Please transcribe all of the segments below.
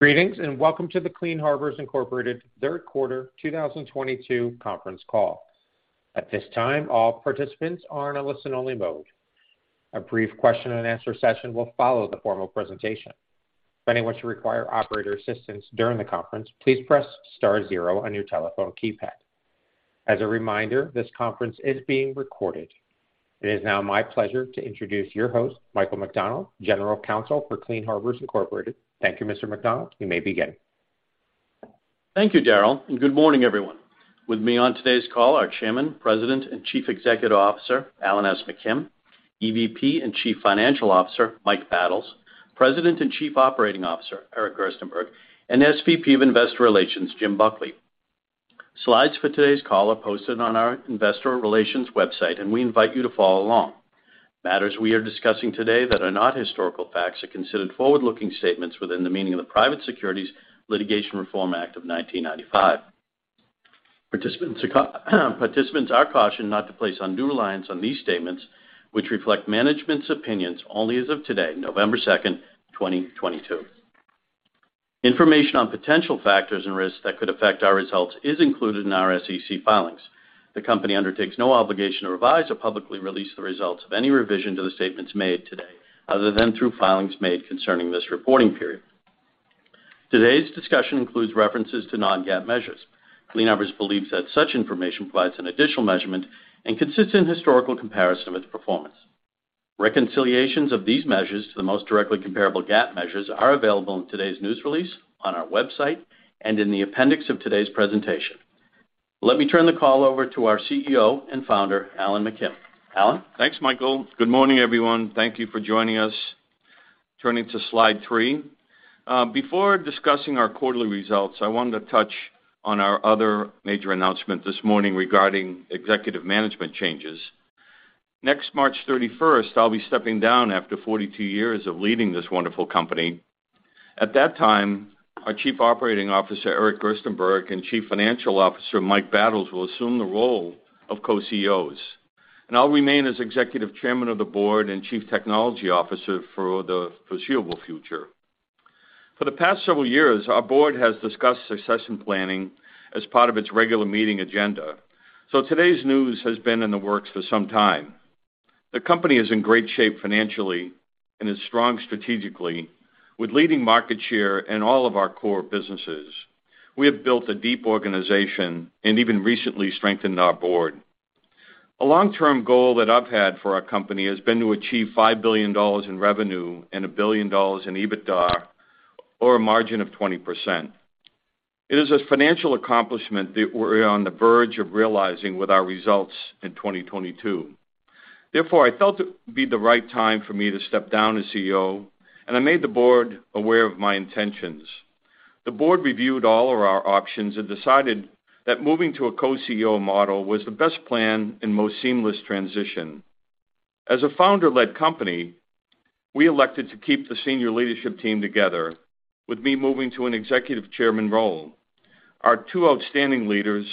Greetings, and welcome to the Clean Harbors, Inc. third quarter 2022 conference call. At this time, all participants are in a listen-only mode. A brief question and answer session will follow the formal presentation. If anyone should require operator assistance during the conference, please press star zero on your telephone keypad. As a reminder, this conference is being recorded. It is now my pleasure to introduce your host, Michael McDonald, General Counsel for Clean Harbors, Inc. Thank you, Mr. McDonald. You may begin. Thank you, Daryl, and good morning, everyone. With me on today's call are Chairman, President, and Chief Executive Officer, Alan S. McKim, EVP and Chief Financial Officer, Mike Battles, President and Chief Operating Officer, Eric Gerstenberg, and SVP of Investor Relations, Jim Buckley. Slides for today's call are posted on our investor relations website, and we invite you to follow along. Matters we are discussing today that are not historical facts are considered forward-looking statements within the meaning of the Private Securities Litigation Reform Act of 1995. Participants are cautioned not to place undue reliance on these statements which reflect management's opinions only as of today, November 2, 2022. Information on potential factors and risks that could affect our results is included in our SEC filings. The company undertakes no obligation to revise or publicly release the results of any revision to the statements made today other than through filings made concerning this reporting period. Today's discussion includes references to non-GAAP measures. Clean Harbors believes that such information provides an additional measurement and consistent historical comparison of its performance. Reconciliations of these measures to the most directly comparable GAAP measures are available in today's news release on our website and in the appendix of today's presentation. Let me turn the call over to our CEO and founder, Alan S. McKim. Alan. Thanks, Michael. Good morning, everyone. Thank you for joining us. Turning to Slide 3. Before discussing our quarterly results, I wanted to touch on our other major announcement this morning regarding executive management changes. Next March 31st, I'll be stepping down after 42 years of leading this wonderful company. At that time, our Chief Operating Officer, Eric Gerstenberg, and Chief Financial Officer, Mike Battles, will assume the role of co-CEOs. I'll remain as Executive Chairman of the Board and Chief Technology Officer for the foreseeable future. For the past several years, our board has discussed succession planning as part of its regular meeting agenda. Today's news has been in the works for some time. The company is in great shape financially and is strong strategically with leading market share in all of our core businesses. We have built a deep organization and even recently strengthened our board. A long-term goal that I've had for our company has been to achieve $5 billion in revenue and $1 billion in EBITDA or a margin of 20%. It is a financial accomplishment that we're on the verge of realizing with our results in 2022. Therefore, I felt it'd be the right time for me to step down as CEO, and I made the board aware of my intentions. The board reviewed all of our options and decided that moving to a co-CEO model was the best plan and most seamless transition. As a founder-led company, we elected to keep the senior leadership team together with me moving to an executive chairman role. Our two outstanding leaders,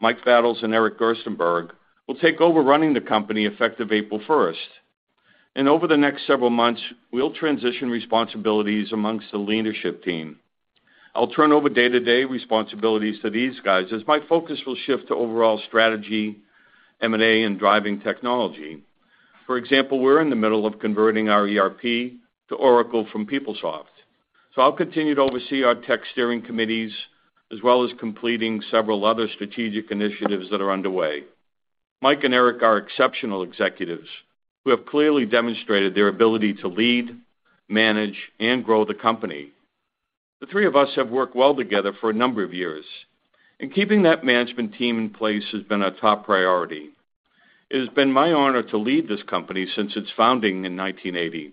Mike Battles and Eric Gerstenberg, will take over running the company effective April 1. Over the next several months, we'll transition responsibilities amongst the leadership team. I'll turn over day-to-day responsibilities to these guys as my focus will shift to overall strategy, M&A, and driving technology. For example, we're in the middle of converting our ERP to Oracle from PeopleSoft. I'll continue to oversee our tech steering committees as well as completing several other strategic initiatives that are underway. Mike and Eric are exceptional executives who have clearly demonstrated their ability to lead, manage, and grow the company. The three of us have worked well together for a number of years, and keeping that management team in place has been a top priority. It has been my honor to lead this company since its founding in 1980.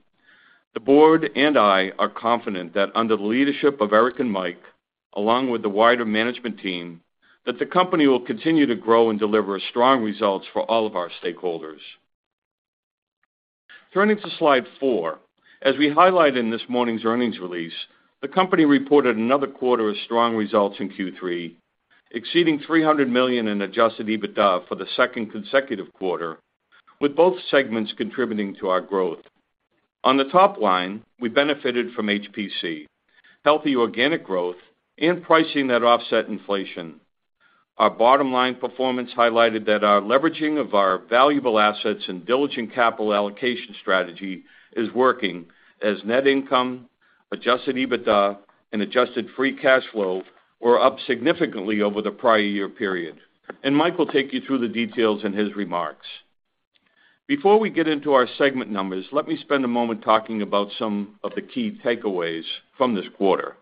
The board and I are confident that under the leadership of Eric and Mike, along with the wider management team, that the company will continue to grow and deliver strong results for all of our stakeholders. Turning to Slide 4. As we highlighted in this morning's earnings release, the company reported another quarter of strong results in Q3, exceeding $300 million in Adjusted EBITDA for the second consecutive quarter, with both segments contributing to our growth. On the top line, we benefited from HPC, healthy organic growth, and pricing that offset inflation. Our bottom line performance highlighted that our leveraging of our valuable assets and diligent capital allocation strategy is working as net income, Adjusted EBITDA, and adjusted free cash flow were up significantly over the prior year period. Mike will take you through the details in his remarks. Before we get into our segment numbers, let me spend a moment talking about some of the key takeaways from this quarter.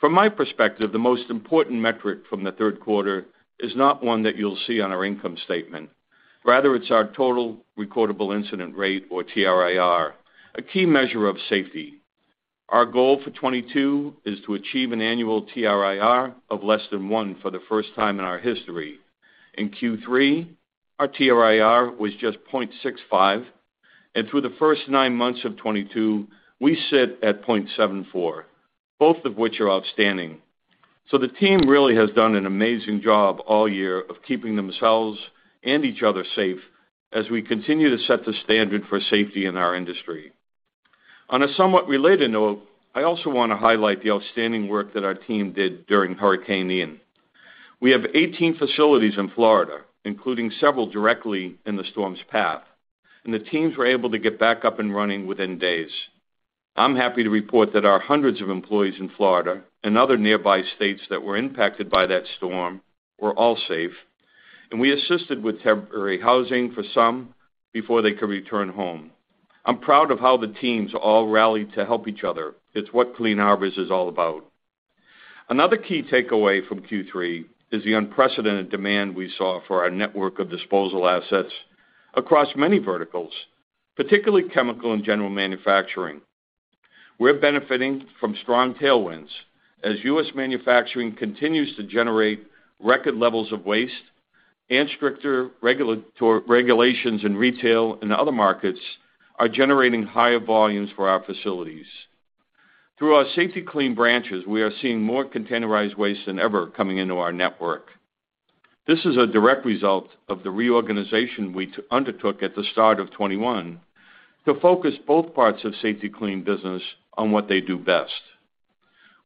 From my perspective, the most important metric from the third quarter is not one that you'll see on our income statement. Rather, it's our total recordable incident rate or TRIR, a key measure of safety. Our goal for 2022 is to achieve an annual TRIR of less than one for the first time in our history. In Q3, our TRIR was just 0.65, and through the first nine months of 2022, we sit at 0.74, both of which are outstanding. The team really has done an amazing job all year of keeping themselves and each other safe as we continue to set the standard for safety in our industry. On a somewhat related note, I also want to highlight the outstanding work that our team did during Hurricane Ian. We have 18 facilities in Florida, including several directly in the storm's path, and the teams were able to get back up and running within days. I'm happy to report that our hundreds of employees in Florida and other nearby states that were impacted by that storm were all safe, and we assisted with temporary housing for some before they could return home. I'm proud of how the teams all rallied to help each other. It's what Clean Harbors is all about. Another key takeaway from Q3 is the unprecedented demand we saw for our network of disposal assets across many verticals, particularly chemical and general manufacturing. We're benefiting from strong tailwinds as U.S. manufacturing continues to generate record levels of waste and stricter regulations in retail and other markets are generating higher volumes for our facilities. Through our Safety-Kleen branches, we are seeing more containerized waste than ever coming into our network. This is a direct result of the reorganization we undertook at the start of 2021 to focus both parts of Safety-Kleen business on what they do best.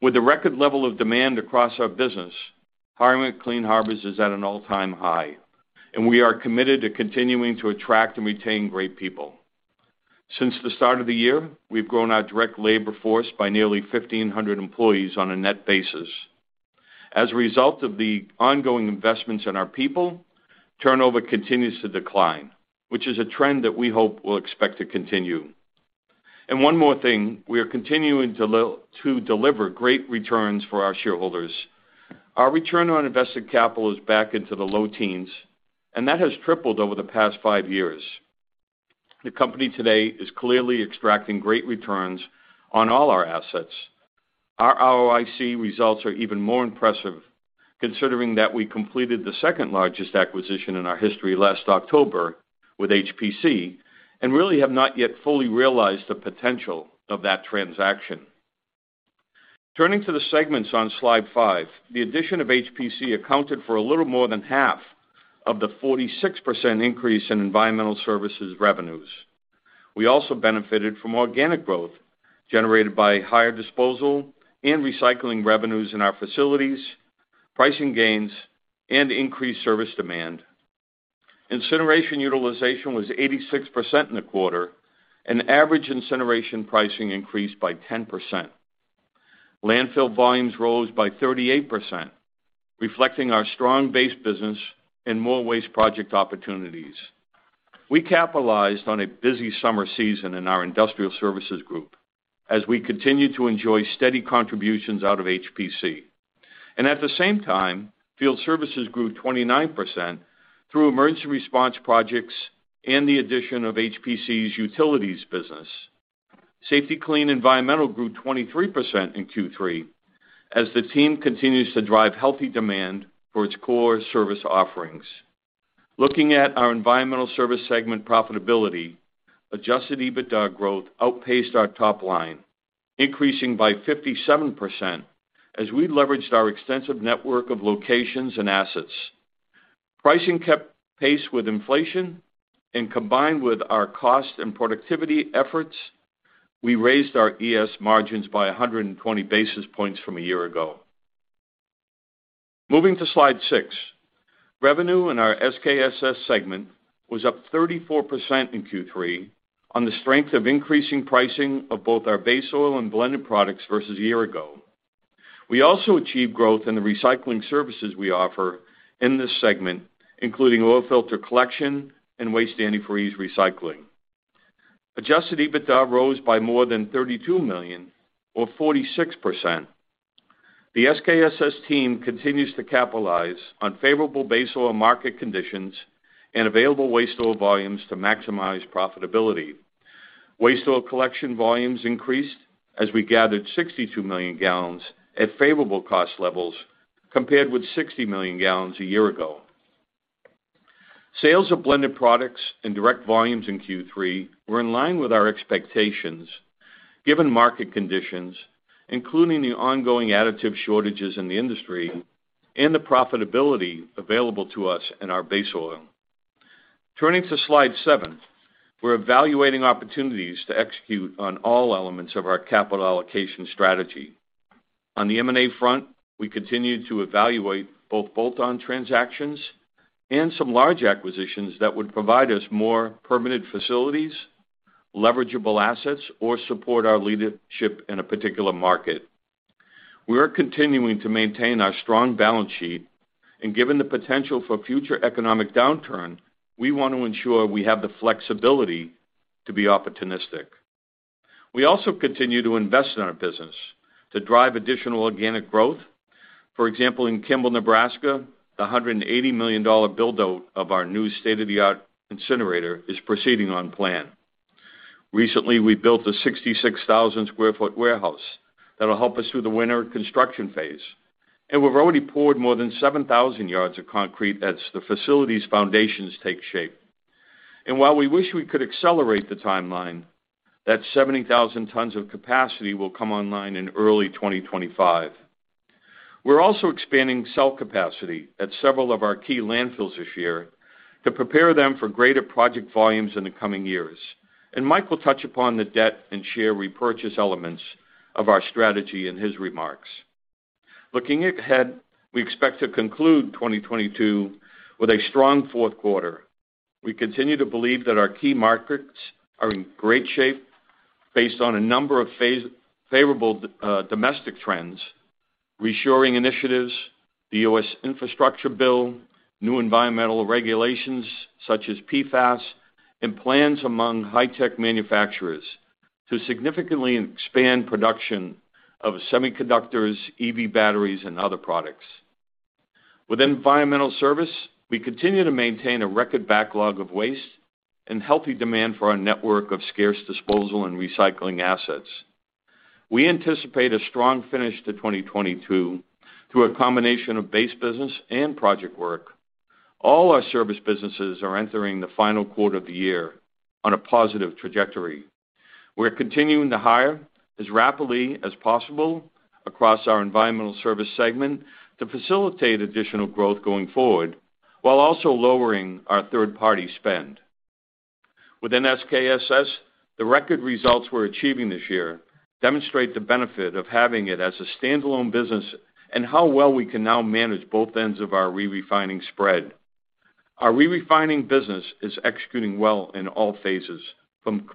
With the record level of demand across our business, hiring at Clean Harbors is at an all-time high, and we are committed to continuing to attract and retain great people. Since the start of the year, we've grown our direct labor force by nearly 1,500 employees on a net basis. As a result of the ongoing investments in our people, turnover continues to decline, which is a trend that we hope we'll expect to continue. One more thing, we are continuing to deliver great returns for our shareholders. Our return on invested capital is back into the low teens, and that has tripled over the past five years. The company today is clearly extracting great returns on all our assets. Our ROIC results are even more impressive, considering that we completed the second-largest acquisition in our history last October with HPC, and really have not yet fully realized the potential of that transaction. Turning to the segments on Slide 5, the addition of HPC accounted for a little more than half of the 46% increase in environmental services revenues. We also benefited from organic growth generated by higher disposal and recycling revenues in our facilities, pricing gains, and increased service demand. Incineration utilization was 86% in the quarter, and average incineration pricing increased by 10%. Landfill volumes rose by 38%, reflecting our strong base business and more waste project opportunities. We capitalized on a busy summer season in our industrial services group as we continued to enjoy steady contributions out of HPC. At the same time, field services grew 29% through emergency response projects and the addition of HPC's utilities business. Safety-Kleen environmental grew 23% in Q3 as the team continues to drive healthy demand for its core service offerings. Looking at our environmental service segment profitability, Adjusted EBITDA growth outpaced our top line, increasing by 57% as we leveraged our extensive network of locations and assets. Pricing kept pace with inflation, and combined with our cost and productivity efforts, we raised our ES margins by 120 basis points from a year ago. Moving to Slide 6, revenue in our SKSS segment was up 34% in Q3 on the strength of increasing pricing of both our base oil and blended products versus a year ago. We also achieved growth in the recycling services we offer in this segment, including oil filter collection and waste antifreeze recycling. Adjusted EBITDA rose by more than $32 million or 46%. The SKSS team continues to capitalize on favorable base oil market conditions and available waste oil volumes to maximize profitability. Waste oil collection volumes increased as we gathered 62 million gallons at favorable cost levels compared with 60 million gallons a year ago. Sales of blended products and direct volumes in Q3 were in line with our expectations, given market conditions, including the ongoing additive shortages in the industry and the profitability available to us in our base oil. Turning to Slide 7, we're evaluating opportunities to execute on all elements of our capital allocation strategy. On the M&A front, we continue to evaluate both bolt-on transactions and some large acquisitions that would provide us more permanent facilities, leverageable assets, or support our leadership in a particular market. We are continuing to maintain our strong balance sheet, and given the potential for future economic downturn, we want to ensure we have the flexibility to be opportunistic. We also continue to invest in our business to drive additional organic growth. For example, in Kimball, Nebraska, the $180 million build-out of our new state-of-the-art incinerator is proceeding on plan. Recently, we built a 66,000 sq ft warehouse that'll help us through the winter construction phase, and we've already poured more than 7,000 yards of concrete as the facility's foundations take shape. While we wish we could accelerate the timeline, that 70,000 tons of capacity will come online in early 2025. We're also expanding cell capacity at several of our key landfills this year to prepare them for greater project volumes in the coming years. Mike will touch upon the debt and share repurchase elements of our strategy in his remarks. Looking ahead, we expect to conclude 2022 with a strong fourth quarter. We continue to believe that our key markets are in great shape based on a number of favorable domestic trends, reshoring initiatives, the U.S. infrastructure bill, new environmental regulations such as PFAS, and plans among high-tech manufacturers to significantly expand production of semiconductors, EV batteries and other products. With environmental service, we continue to maintain a record backlog of waste and healthy demand for our network of scarce disposal and recycling assets. We anticipate a strong finish to 2022 through a combination of base business and project work. All our service businesses are entering the final quarter of the year on a positive trajectory. We're continuing to hire as rapidly as possible across our environmental service segment to facilitate additional growth going forward, while also lowering our third-party spend. Within SKSS, the record results we're achieving this year demonstrate the benefit of having it as a standalone business and how well we can now manage both ends of our rerefining spread. Our rerefining business is executing well in all phases, from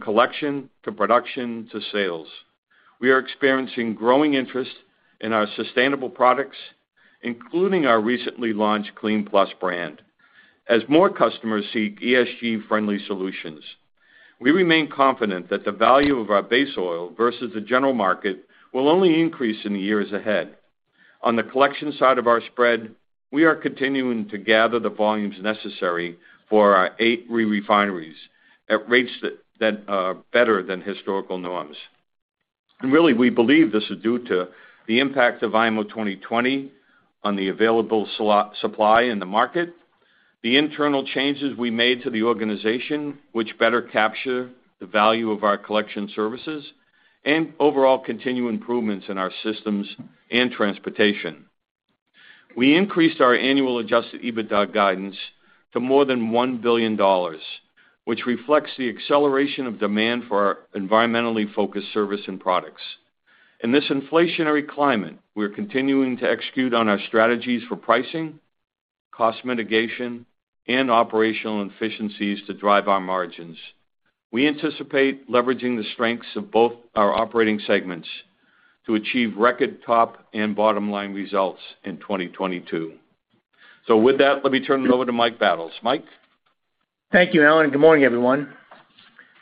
collection to production to sales. We are experiencing growing interest in our sustainable products, including our recently launched KLEEN+ brand as more customers seek ESG-friendly solutions. We remain confident that the value of our base oil versus the general market will only increase in the years ahead. On the collection side of our spread, we are continuing to gather the volumes necessary for our eight re-refineries at rates that better than historical norms. Really, we believe this is due to the impact of IMO 2020 on the available supply in the market, the internal changes we made to the organization which better capture the value of our collection services, and overall continued improvements in our systems and transportation. We increased our annual Adjusted EBITDA guidance to more than $1 billion, which reflects the acceleration of demand for our environmentally focused services and products. In this inflationary climate, we are continuing to execute on our strategies for pricing, cost mitigation, and operational efficiencies to drive our margins. We anticipate leveraging the strengths of both our operating segments to achieve record top and bottom-line results in 2022. WIth that, let me turn it over to Mike Battles. Mike? Thank you, Alan. Good morning, everyone.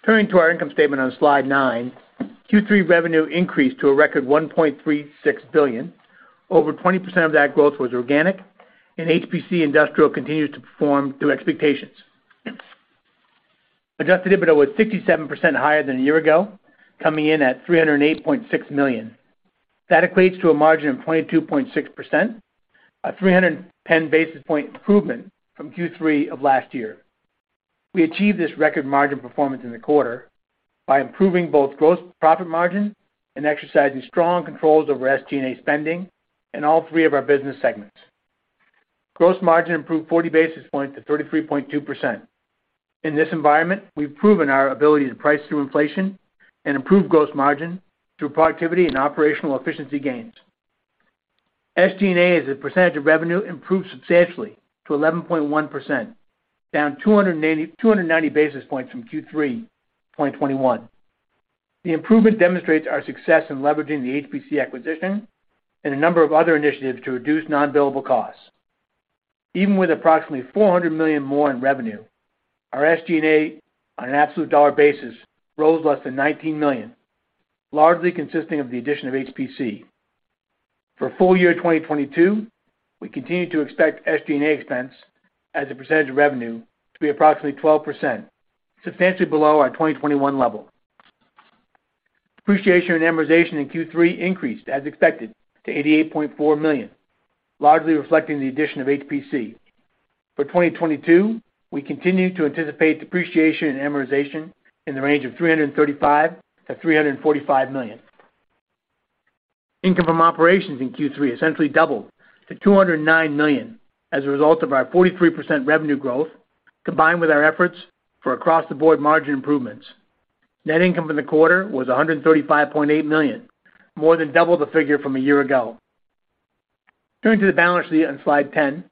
Turning to our income statement on Slide 9, Q3 revenue increased to a record $1.36 billion. Over 20% of that growth was organic, and HPC Industrial continued to perform to expectations. Adjusted EBITDA was 67% higher than a year ago, coming in at $308.6 million. That equates to a margin of 22.6%, a 310 basis point improvement from Q3 of last year. We achieved this record margin performance in the quarter by improving both gross profit margin and exercising strong controls over SG&A spending in all three of our business segments. Gross margin improved 40 basis points to 33.2%. In this environment, we've proven our ability to price through inflation and improve gross margin through productivity and operational efficiency gains. SG&A, as a percentage of revenue, improved substantially to 11.1%, down 290 basis points from Q3 2021. The improvement demonstrates our success in leveraging the HPC acquisition and a number of other initiatives to reduce non-billable costs. Even with approximately $400 million more in revenue, our SG&A on an absolute dollar basis rose less than $19 million, largely consisting of the addition of HPC. For full year 2022, we continue to expect SG&A expense as a percentage of revenue to be approximately 12%, substantially below our 2021 level. Depreciation and amortization in Q3 increased as expected to $88.4 million, largely reflecting the addition of HPC. For 2022, we continue to anticipate depreciation and amortization in the range of $335 million-$345 million. Income from operations in Q3 essentially doubled to $209 million as a result of our 43% revenue growth, combined with our efforts for across-the-board margin improvements. Net income for the quarter was $135.8 million, more than double the figure from a year ago. Turning to the balance sheet on Slide 10,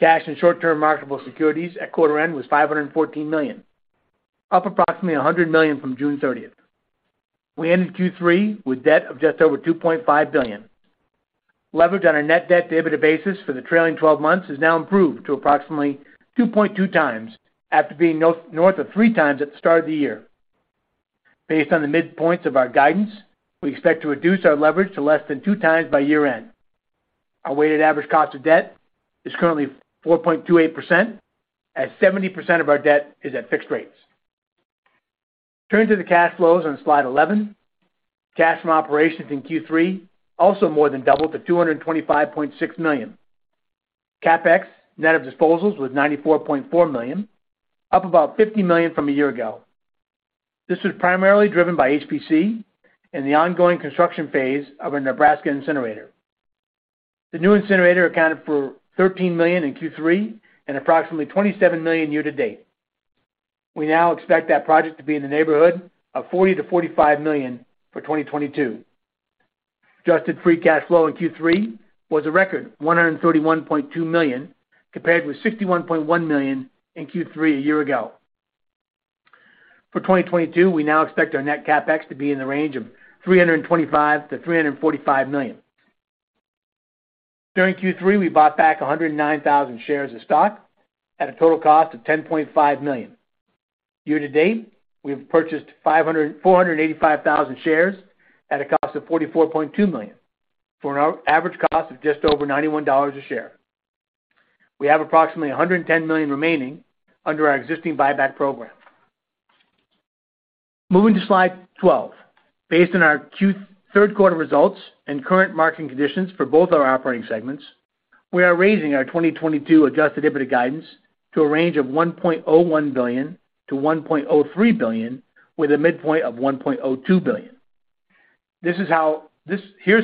cash and short-term marketable securities at quarter end was $514 million, up approximately $100 million from June 30. We ended Q3 with debt of just over $2.5 billion. Leverage on our net debt to EBITDA basis for the trailing twelve months has now improved to approximately 2.2x after being north of 3x at the start of the year. Based on the midpoints of our guidance, we expect to reduce our leverage to less than 2x by year-end. Our weighted average cost of debt is currently 4.28%, as 70% of our debt is at fixed rates. Turning to the cash flows on Slide 11. Cash from operations in Q3 also more than doubled to $225.6 million. CapEx net of disposals was $94.4 million, up about $50 million from a year ago. This was primarily driven by HPC and the ongoing construction phase of our Nebraska incinerator. The new incinerator accounted for $13 million in Q3 and approximately $27 million year to date. We now expect that project to be in the neighborhood of $40 million-$45 million for 2022. Adjusted free cash flow in Q3 was a record $131.2 million, compared with $61.1 million in Q3 a year ago. For 2022, we now expect our net CapEx to be in the range of $325 million-$345 million. During Q3, we bought back 109,000 shares of stock at a total cost of $10.5 million. Year to date, we have purchased 485,000 shares at a cost of $44.2 million for an average cost of just over $91 a share. We have approximately $110 million remaining under our existing buyback program. Moving to Slide 12. Based on our third quarter results and current market conditions for both our operating segments, we are raising our 2022 Adjusted EBITDA guidance to a range of $1.01 billion-$1.03 billion, with a midpoint of $1.02 billion. Here's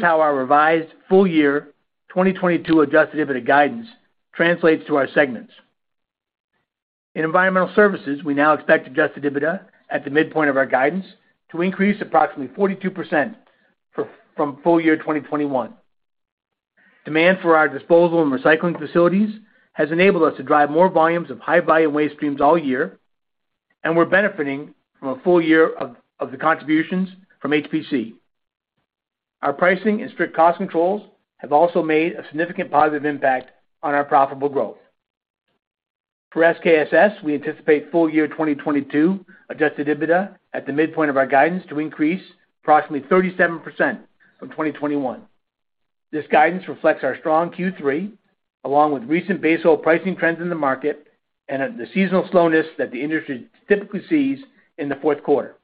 how our revised full year 2022 Adjusted EBITDA guidance translates to our segments. In environmental services, we now expect Adjusted EBITDA at the midpoint of our guidance to increase approximately 42% from full year 2021. Demand for our disposal and recycling facilities has enabled us to drive more volumes of high-volume waste streams all year, and we're benefiting from a full year of the contributions from HPC. Our pricing and strict cost controls have also made a significant positive impact on our profitable growth. For SKSS, we anticipate full year 2022 Adjusted EBITDA at the midpoint of our guidance to increase approximately 37% from 2021. This guidance reflects our strong Q3, along with recent base oil pricing trends in the market and the seasonal slowness that the industry typically sees in the fourth quarter.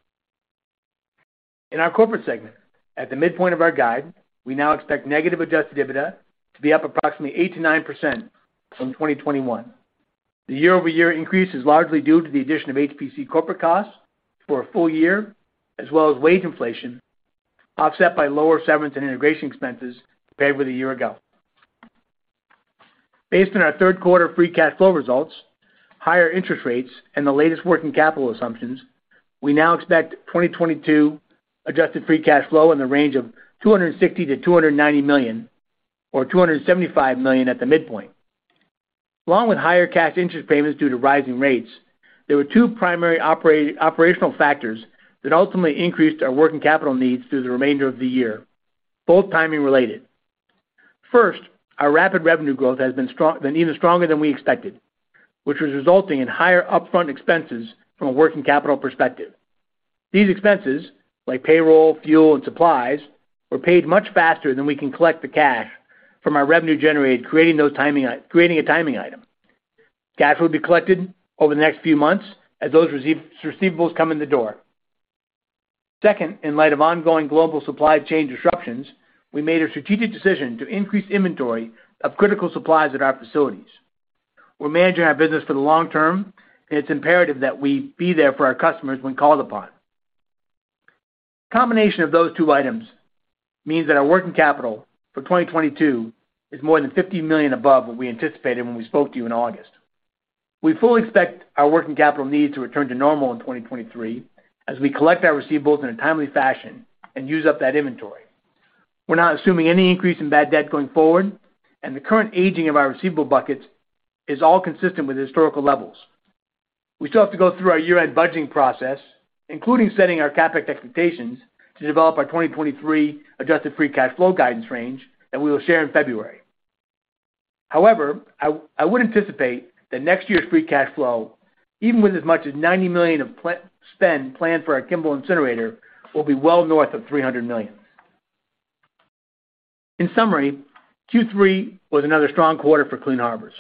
In our corporate segment, at the midpoint of our guide, we now expect negative Adjusted EBITDA to be up approximately 8%-9% from 2021. The year-over-year increase is largely due to the addition of HPC corporate costs for a full year, as well as wage inflation, offset by lower severance and integration expenses compared with a year ago. Based on our third quarter free cash flow results, higher interest rates and the latest working capital assumptions, we now expect 2022 adjusted free cash flow in the range of $260 million-$290 million or $275 million at the midpoint. Along with higher cash interest payments due to rising rates, there were two primary operational factors that ultimately increased our working capital needs through the remainder of the year, both timing related. First, our rapid revenue growth has been even stronger than we expected, which was resulting in higher upfront expenses from a working capital perspective. These expenses, like payroll, fuel, and supplies, were paid much faster than we can collect the cash from our revenue generated, creating a timing item. Cash will be collected over the next few months as those receivables come in the door. Second, in light of ongoing global supply chain disruptions, we made a strategic decision to increase inventory of critical supplies at our facilities. We're managing our business for the long term, and it's imperative that we be there for our customers when called upon. Combination of those two items means that our working capital for 2022 is more than $50 million above what we anticipated when we spoke to you in August. We fully expect our working capital needs to return to normal in 2023 as we collect our receivables in a timely fashion and use up that inventory. We're not assuming any increase in bad debt going forward, and the current aging of our receivable buckets is all consistent with historical levels. We still have to go through our year-end budgeting process, including setting our CapEx expectations to develop our 2023 adjusted free cash flow guidance range that we will share in February. However, I would anticipate that next year's free cash flow, even with as much as $90 million of planned spend for our Kimball incinerator, will be well north of $300 million. In summary, Q3 was another strong quarter for Clean Harbors,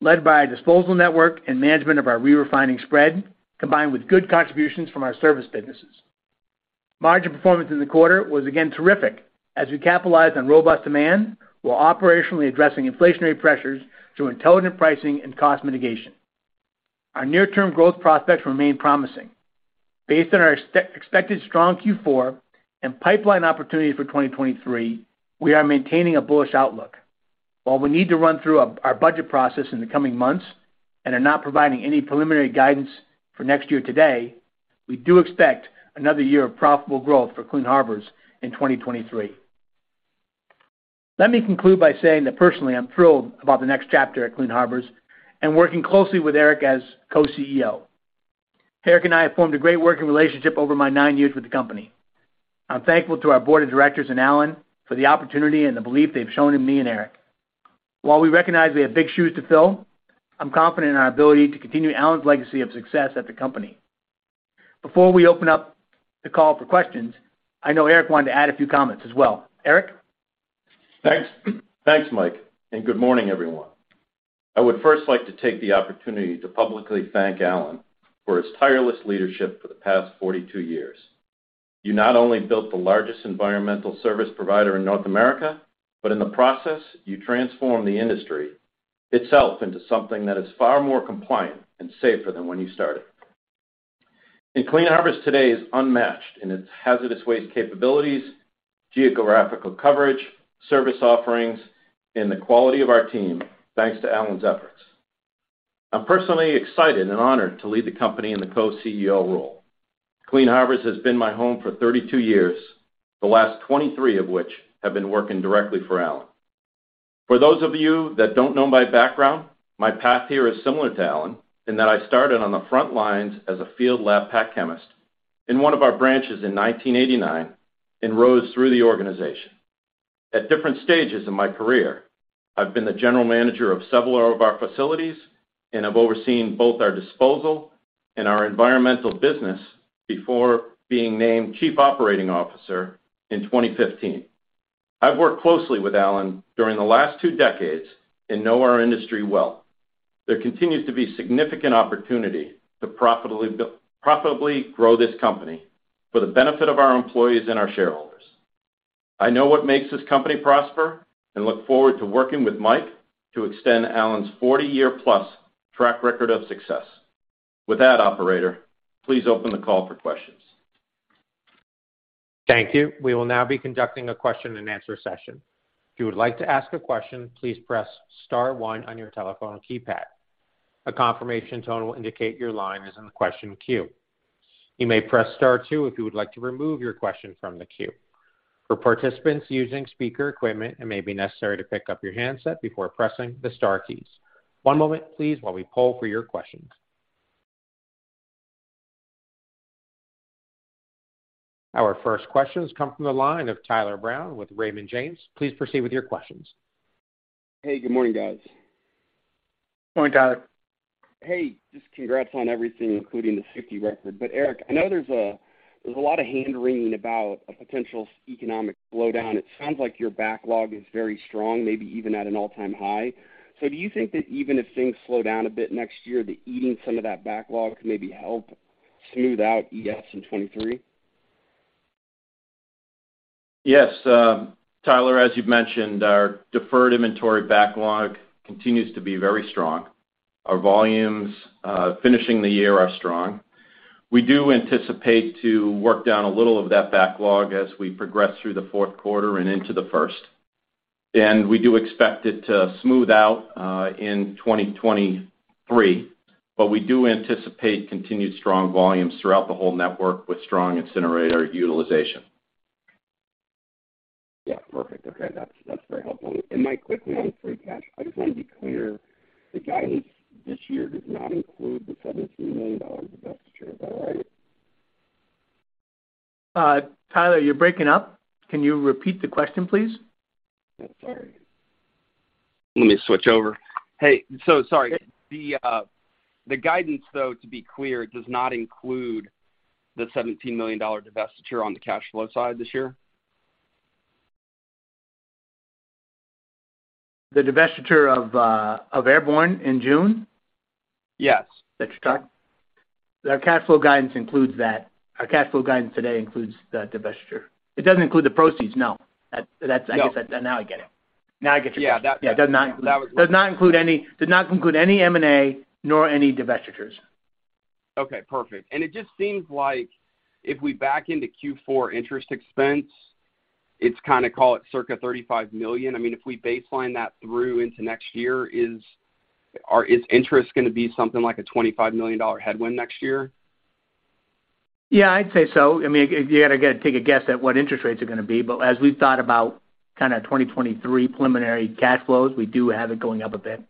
led by our disposal network and management of our re-refining spread, combined with good contributions from our service businesses. Margin performance in the quarter was again terrific as we capitalized on robust demand while operationally addressing inflationary pressures through intelligent pricing and cost mitigation. Our near-term growth prospects remain promising. Based on our expected strong Q4 and pipeline opportunities for 2023, we are maintaining a bullish outlook. While we need to run through our budget process in the coming months and are not providing any preliminary guidance for next year to date, we do expect another year of profitable growth for Clean Harbors in 2023. Let me conclude by saying that personally, I'm thrilled about the next chapter at Clean Harbors and working closely with Eric as co-CEO. Eric and I have formed a great working relationship over my nine years with the company. I'm thankful to our board of directors and Alan for the opportunity and the belief they've shown in me and Eric. While we recognize we have big shoes to fill, I'm confident in our ability to continue Alan's legacy of success at the company. Before we open up the call for questions, I know Eric wanted to add a few comments as well. Eric? Thanks. Thanks, Mike, and good morning, everyone. I would first like to take the opportunity to publicly thank Alan for his tireless leadership for the past 42 years. You not only built the largest environmental service provider in North America, but in the process, you transformed the industry itself into something that is far more compliant and safer than when you started. Clean Harbors today is unmatched in its hazardous waste capabilities, geographical coverage, service offerings, and the quality of our team, thanks to Alan's efforts. I'm personally excited and honored to lead the company in the co-CEO role. Clean Harbors has been my home for 32 years, the last 23 of which have been working directly for Alan. For those of you that don't know my background, my path here is similar to Alan, in that I started on the front lines as a field lab pack chemist in one of our branches in 1989 and rose through the organization. At different stages in my career, I've been the general manager of several of our facilities, and I've overseen both our disposal and our environmental business before being named chief operating officer in 2015. I've worked closely with Alan during the last two decades and know our industry well. There continues to be significant opportunity to profitably grow this company for the benefit of our employees and our shareholders. I know what makes this company prosper and look forward to working with Mike to extend Alan's 40-year-plus track record of success. With that, Operator, please open the call for questions. Thank you. We will now be conducting a question-and-answer session. If you would like to ask a question, please press star one on your telephone keypad. A confirmation tone will indicate your line is in the question queue. You may press star two if you would like to remove your question from the queue. For participants using speaker equipment, it may be necessary to pick up your handset before pressing the star keys. One moment, please, while we poll for your questions. Our first questions come from the line of Tyler Brown with Raymond James. Please proceed with your questions. Hey, good morning, guys. Good morning, Tyler. Hey, just congrats on everything, including the safety record. Eric, I know there's a lot of hand-wringing about a potential economic slowdown. It sounds like your backlog is very strong, maybe even at an all-time high. Do you think that even if things slow down a bit next year, that eating some of that backlog could maybe help smooth out ES in 2023? Yes. Tyler, as you've mentioned, our deferred inventory backlog continues to be very strong. Our volumes finishing the year are strong. We do anticipate to work down a little of that backlog as we progress through the fourth quarter and into the first. We do expect it to smooth out in 2023, but we do anticipate continued strong volumes throughout the whole network with strong incinerator utilization. Yeah. Perfect. Okay. That's very helpful. Mike, quickly on free cash, I just wanna be clear, the guidance this year does not include the $17 million divestiture, is that right? Tyler, you're breaking up. Can you repeat the question, please? Oh, sorry. Let me switch over. Hey, so sorry. The guidance, though, to be clear, does not include the $17 million divestiture on the cash flow side this year? The divestiture of Airborne in June? Yes. That you're talking? Our cash flow guidance includes that. Our cash flow guidance today includes the divestiture. It doesn't include the proceeds. No. No. I guess, now I get it. Now I get your question. Yeah, that. It does not include. That was my- Does not include any M&A, nor any divestitures. Okay. Perfect. It just seems like if we back into Q4 interest expense, it's kinda, call it circa $35 million. I mean, if we baseline that through into next year, is interest gonna be something like a $25 million headwind next year? Yeah, I'd say so. I mean, you gotta take a guess at what interest rates are gonna be, but as we've thought about kinda 2023 preliminary cash flows, we do have it going up a bit.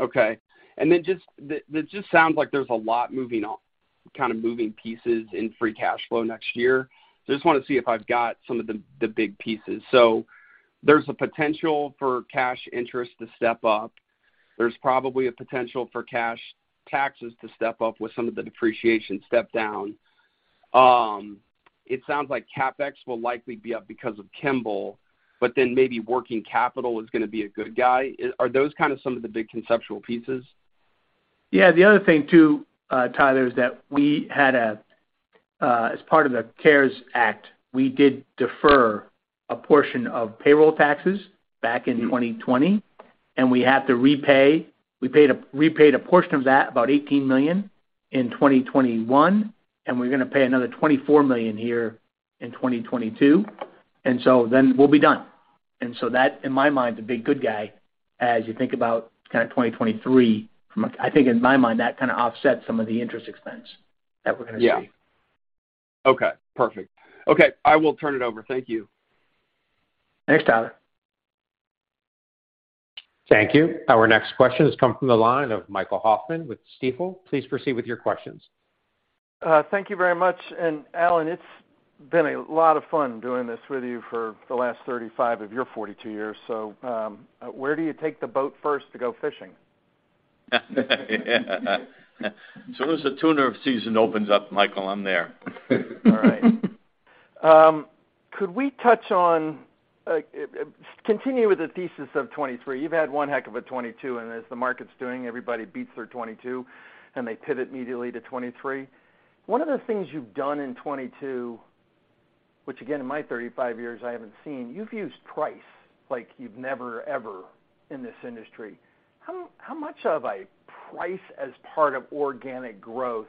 Okay. This just sounds like there's a lot moving on, kinda moving pieces in free cash flow next year. I just wanna see if I've got some of the big pieces. There's a potential for cash interest to step up. There's probably a potential for cash taxes to step up with some of the depreciation step down. It sounds like CapEx will likely be up because of Kimball, but then maybe working capital is gonna be a good guy. Are those kind of some of the big conceptual pieces? Yeah. The other thing too, Tyler, is that, as part of the CARES Act, we did defer a portion of payroll taxes back in 2020, and we have to repay. We repaid a portion of that, about $18 million, in 2021, and we're gonna pay another $24 million here in 2022. We'll be done. That, in my mind, is a big good guy as you think about kinda 2023. I think in my mind, that kinda offsets some of the interest expense that we're gonna see. Yeah. Okay. Perfect. Okay, I will turn it over. Thank you. Thanks, Tyler. Thank you. Our next question has come from the line of Michael Hoffman with Stifel. Please proceed with your questions. Thank you very much. Alan, it's been a lot of fun doing this with you for the last 35 of your 42 years. Where do you take the boat first to go fishing? Soon as the tuna season opens up, Michael, I'm there. All right. Could we continue with the thesis of 2023. You've had one heck of a 2022, and as the market's doing, everybody beats their 2022, and they pivot immediately to 2023. One of the things you've done in 2022, which again, in my 35 years I haven't seen, you've used price like you've never, ever in this industry. How much of a price as part of organic growth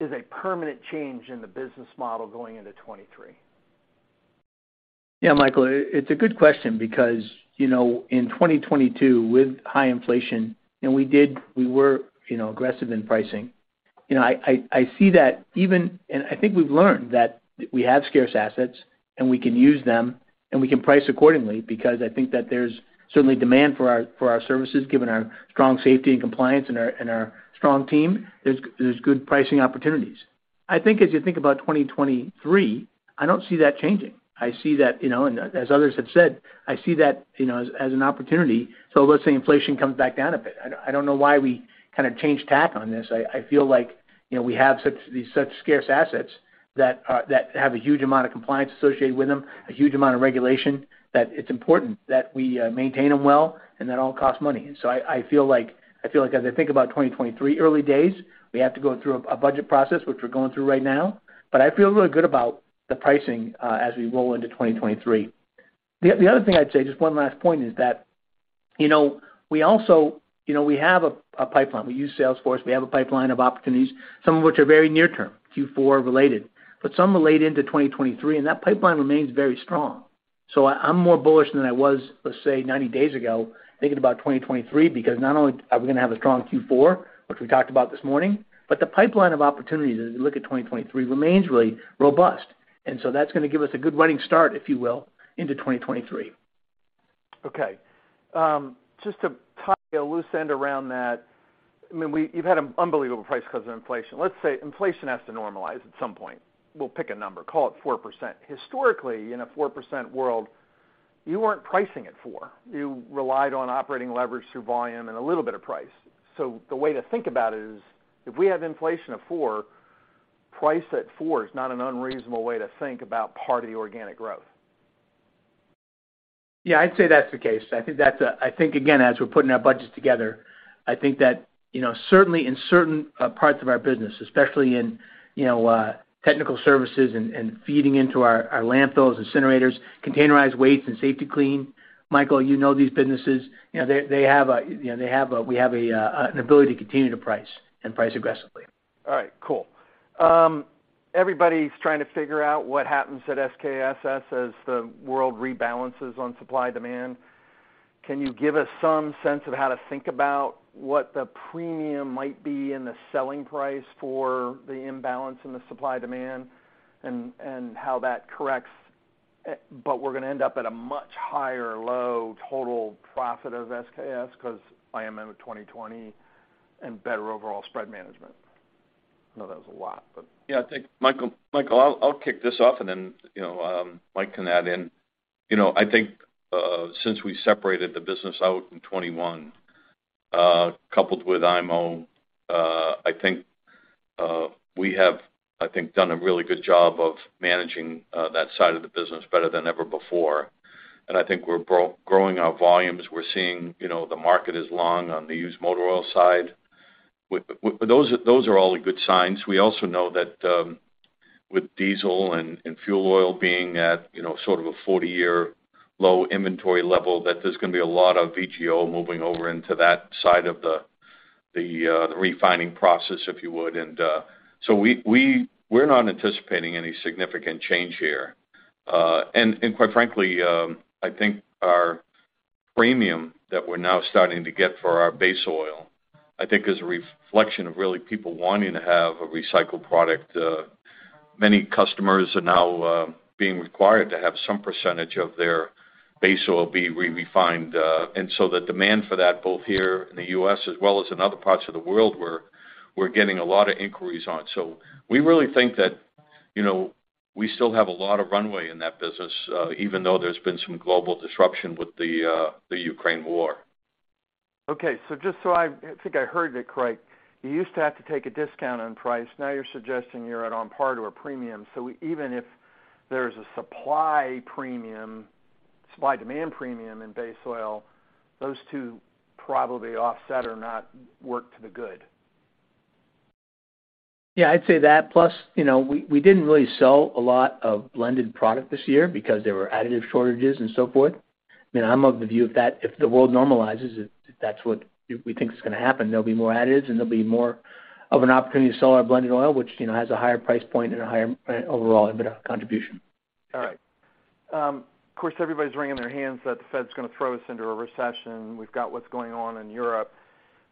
is a permanent change in the business model going into 2023? Yeah, Michael, it's a good question because, you know, in 2022 with high inflation, we were, you know, aggressive in pricing. You know, I see that even. I think we've learned that we have scarce assets, and we can use them, and we can price accordingly because I think that there's certainly demand for our services, given our strong safety and compliance and our strong team. There's good pricing opportunities. I think as you think about 2023, I don't see that changing. I see that, you know, and as others have said, I see that, you know, as an opportunity. Let's say inflation comes back down a bit. I don't know why we kind of change tack on this. I feel like, you know, we have such scarce assets that have a huge amount of compliance associated with them, a huge amount of regulation, that it's important that we maintain them well, and that all costs money. I feel like as I think about 2023, early days, we have to go through a budget process, which we're going through right now. I feel really good about the pricing as we roll into 2023. The other thing I'd say, just one last point, is that, you know, we also have a pipeline. We use Salesforce. We have a pipeline of opportunities, some of which are very near term, Q4 related, but some relate into 2023, and that pipeline remains very strong. I'm more bullish than I was, let's say, 90 days ago thinking about 2023 because not only are we gonna have a strong Q4, which we talked about this morning, but the pipeline of opportunities as you look at 2023 remains really robust. That's gonna give us a good running start, if you will, into 2023. Okay. Just to tie a loose end around that, I mean, you've had an unbelievable price because of inflation. Let's say inflation has to normalize at some point. We'll pick a number, call it 4%. Historically, in a 4% world, you weren't pricing at 4. You relied on operating leverage through volume and a little bit of price. The way to think about it is if we have inflation of 4, price at 4 is not an unreasonable way to think about part of the organic growth. Yeah, I'd say that's the case. I think again, as we're putting our budgets together, I think that, you know, certainly in certain parts of our business, especially in, you know, technical services and feeding into our landfills, incinerators, containerized waste and Safety-Kleen, Michael, you know these businesses. You know, we have an ability to continue to price aggressively. All right, cool. Everybody's trying to figure out what happens at SKSS as the world rebalances on supply demand. Can you give us some sense of how to think about what the premium might be in the selling price for the imbalance in the supply demand and how that corrects, but we're gonna end up at a much higher low total profit of SKS because IMO 2020 and better overall spread management? I know that was a lot, but. Yeah, I think, Michael, I'll kick this off and then, you know, Mike can add in. You know, I think since we separated the business out in 2021, coupled with IMO, I think we have, I think done a really good job of managing that side of the business better than ever before. I think we're growing our volumes. We're seeing, you know, the market is long on the used motor oil side. Those are all good signs. We also know that, with diesel and fuel oil being at, you know, sort of a 40-year low inventory level, that there's gonna be a lot of VGO moving over into that side of the refining process, if you would. We're not anticipating any significant change here. And quite frankly, I think our premium that we're now starting to get for our base oil, I think is a reflection of really people wanting to have a recycled product. Many customers are now being required to have some percentage of their base oil be re-refined. The demand for that, both here in the U.S. as well as in other parts of the world, we're getting a lot of inquiries on. We really think that, you know, we still have a lot of runway in that business, even though there's been some global disruption with the Ukraine war. Okay. Just so I think I heard it correct. You used to have to take a discount on price. Now you're suggesting you're at or on par to a premium. Even if there's a supply premium, supply demand premium in base oil, those two probably offset or not work for the good. Yeah, I'd say that plus, you know, we didn't really sell a lot of blended product this year because there were additive shortages and so forth. I mean, I'm of the view if the world normalizes, that's what we think is gonna happen. There'll be more additives, and there'll be more of an opportunity to sell our blended oil, which, you know, has a higher price point and a higher overall EBITDA contribution. All right. Of course, everybody's wringing their hands that the Fed's gonna throw us into a recession. We've got what's going on in Europe.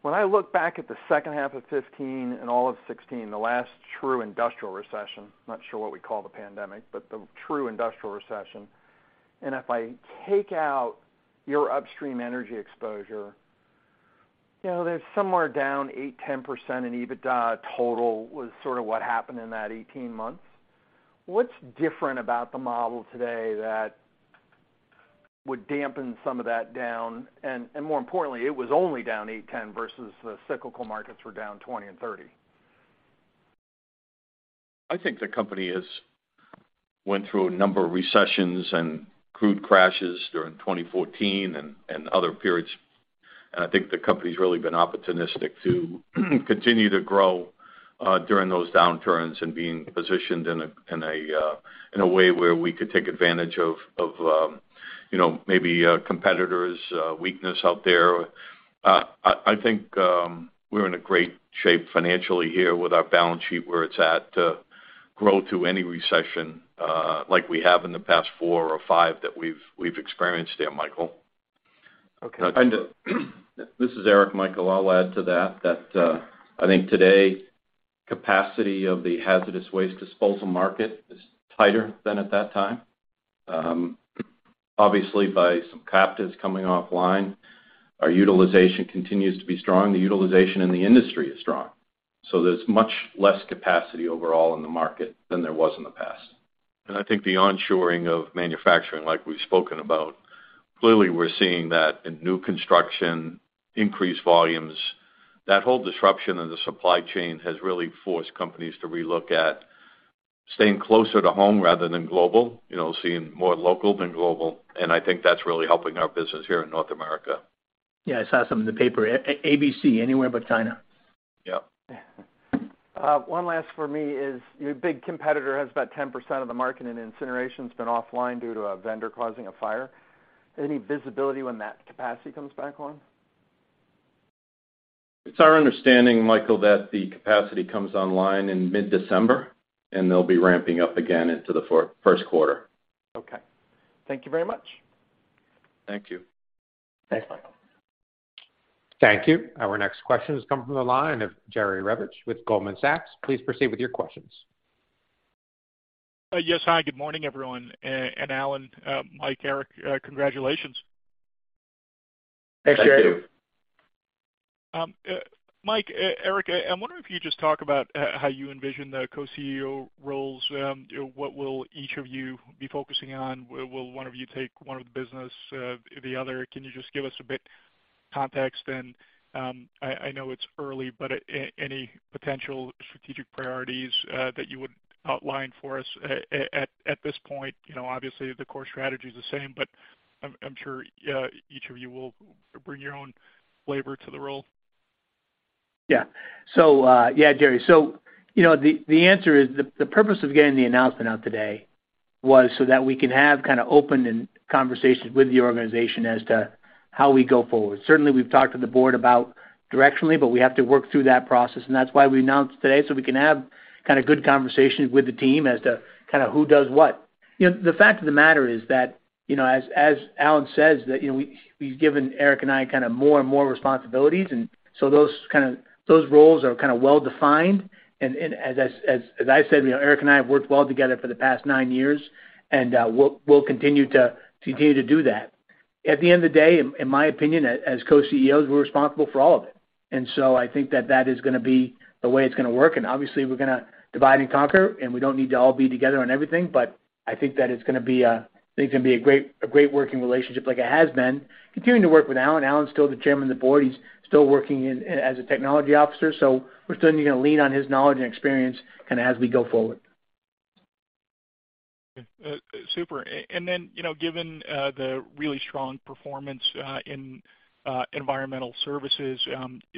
When I look back at the second half of 2015 and all of 2016, the last true industrial recession, I'm not sure what we call the pandemic, but the true industrial recession, and if I take out your upstream energy exposure, you know, there's somewhere down 8%-10% in EBITDA total was sort of what happened in that 18 months. What's different about the model today that would dampen some of that down, and more importantly, it was only down 8-10% versus the cyclical markets were down 20% and 30%. I think the company has went through a number of recessions and crude crashes during 2014 and other periods. I think the company's really been opportunistic to continue to grow during those downturns and being positioned in a way where we could take advantage of you know, maybe a competitor's weakness out there. I think we're in a great shape financially here with our balance sheet where it's at to grow through any recession like we have in the past four or five that we've experienced there, Michael. Okay. This is Eric, Michael. I'll add to that that I think today capacity of the hazardous waste disposal market is tighter than at that time. Obviously by some captives coming offline, our utilization continues to be strong. The utilization in the industry is strong. There's much less capacity overall in the market than there was in the past. I think the onshoring of manufacturing, like we've spoken about, clearly we're seeing that in new construction, increased volumes. That whole disruption in the supply chain has really forced companies to relook at staying closer to home rather than global, you know, seeing more local than global, and I think that's really helping our business here in North America. Yeah, I saw some in the paper, ABC, anywhere but China. Yep. One last for me is, your big competitor has about 10% of the market, and incineration's been offline due to a vendor causing a fire. Any visibility when that capacity comes back on? It's our understanding, Michael, that the capacity comes online in mid-December, and they'll be ramping up again into the first quarter. Okay. Thank you very much. Thank you. Thanks, Michael. Thank you. Our next question has come from the line of Jerry Revich with Goldman Sachs. Please proceed with your questions. Yes. Hi, good morning, everyone. Alan, Mike, Eric, congratulations. Thank you, Jerry. Thank you. Mike, Eric, I'm wondering if you could just talk about how you envision the co-CEO roles. What will each of you be focusing on? Will one of you take one of the business, the other? Can you just give us a bit context? I know it's early, but any potential strategic priorities that you would outline for us at this point? You know, obviously the core strategy is the same, but I'm sure each of you will bring your own flavor to the role. Yeah, Jerry. You know, the answer is the purpose of getting the announcement out today was so that we can have kind of open conversations with the organization as to how we go forward. Certainly, we've talked to the board about directionally, but we have to work through that process, and that's why we announced today, so we can have kind of good conversations with the team as to kind of who does what. You know, the fact of the matter is that, you know, as Alan says, that, you know, he's given Eric and I kind of more and more responsibilities, and so those roles are kind of well-defined. As I said, you know, Eric and I have worked well together for the past nine years, and we'll continue to do that. At the end of the day, in my opinion, as co-CEOs, we're responsible for all of it. I think that is gonna be the way it's gonna work. Obviously, we're gonna divide and conquer, and we don't need to all be together on everything. I think that it's gonna be a great working relationship like it has been. Continuing to work with Alan's still the Chairman of the board. He's still working as a technology officer, so we're certainly gonna lean on his knowledge and experience kind of as we go forward. Okay. Super. Then, you know, given the really strong performance in environmental services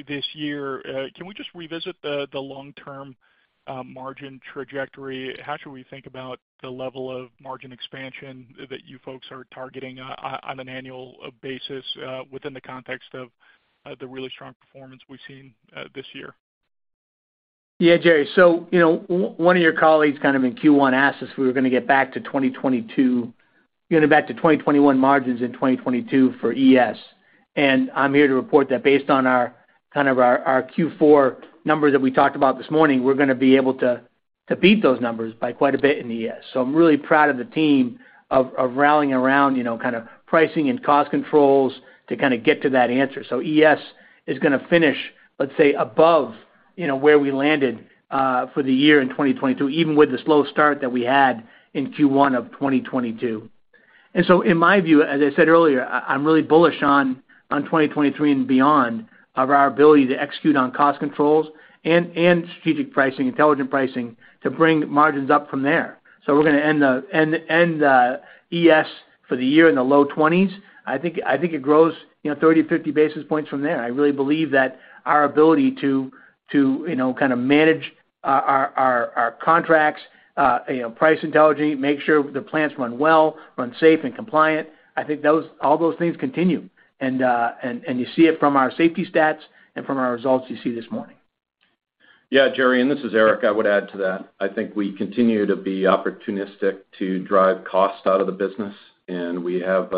this year, can we just revisit the long-term margin trajectory? How should we think about the level of margin expansion that you folks are targeting on an annual basis, within the context of the really strong performance we've seen this year? Yeah, Jerry. You know, one of your colleagues kind of in Q1 asked us if we were gonna get back to 2022, getting back to 2021 margins in 2022 for ES. I'm here to report that based on our kind of Q4 numbers that we talked about this morning, we're gonna be able to beat those numbers by quite a bit in ES. So I'm really proud of the team of rallying around kind of pricing and cost controls to kind of get to that answer. ES is gonna finish, let's say, above, you know, where we landed for the year in 2022, even with the slow start that we had in Q1 of 2022. In my view, as I said earlier, I'm really bullish on 2023 and beyond on our ability to execute on cost controls and strategic pricing, intelligent pricing to bring margins up from there. We're gonna end ES for the year in the low 20s. I think it grows, you know, 30-50 basis points from there. I really believe that our ability to, you know, kind of manage our contracts, you know, price intelligently, make sure the plants run well, run safe and compliant, I think those, all those things continue. You see it from our safety stats and from our results you see this morning. Yeah, Jerry, and this is Eric. I would add to that. I think we continue to be opportunistic to drive cost out of the business, and we have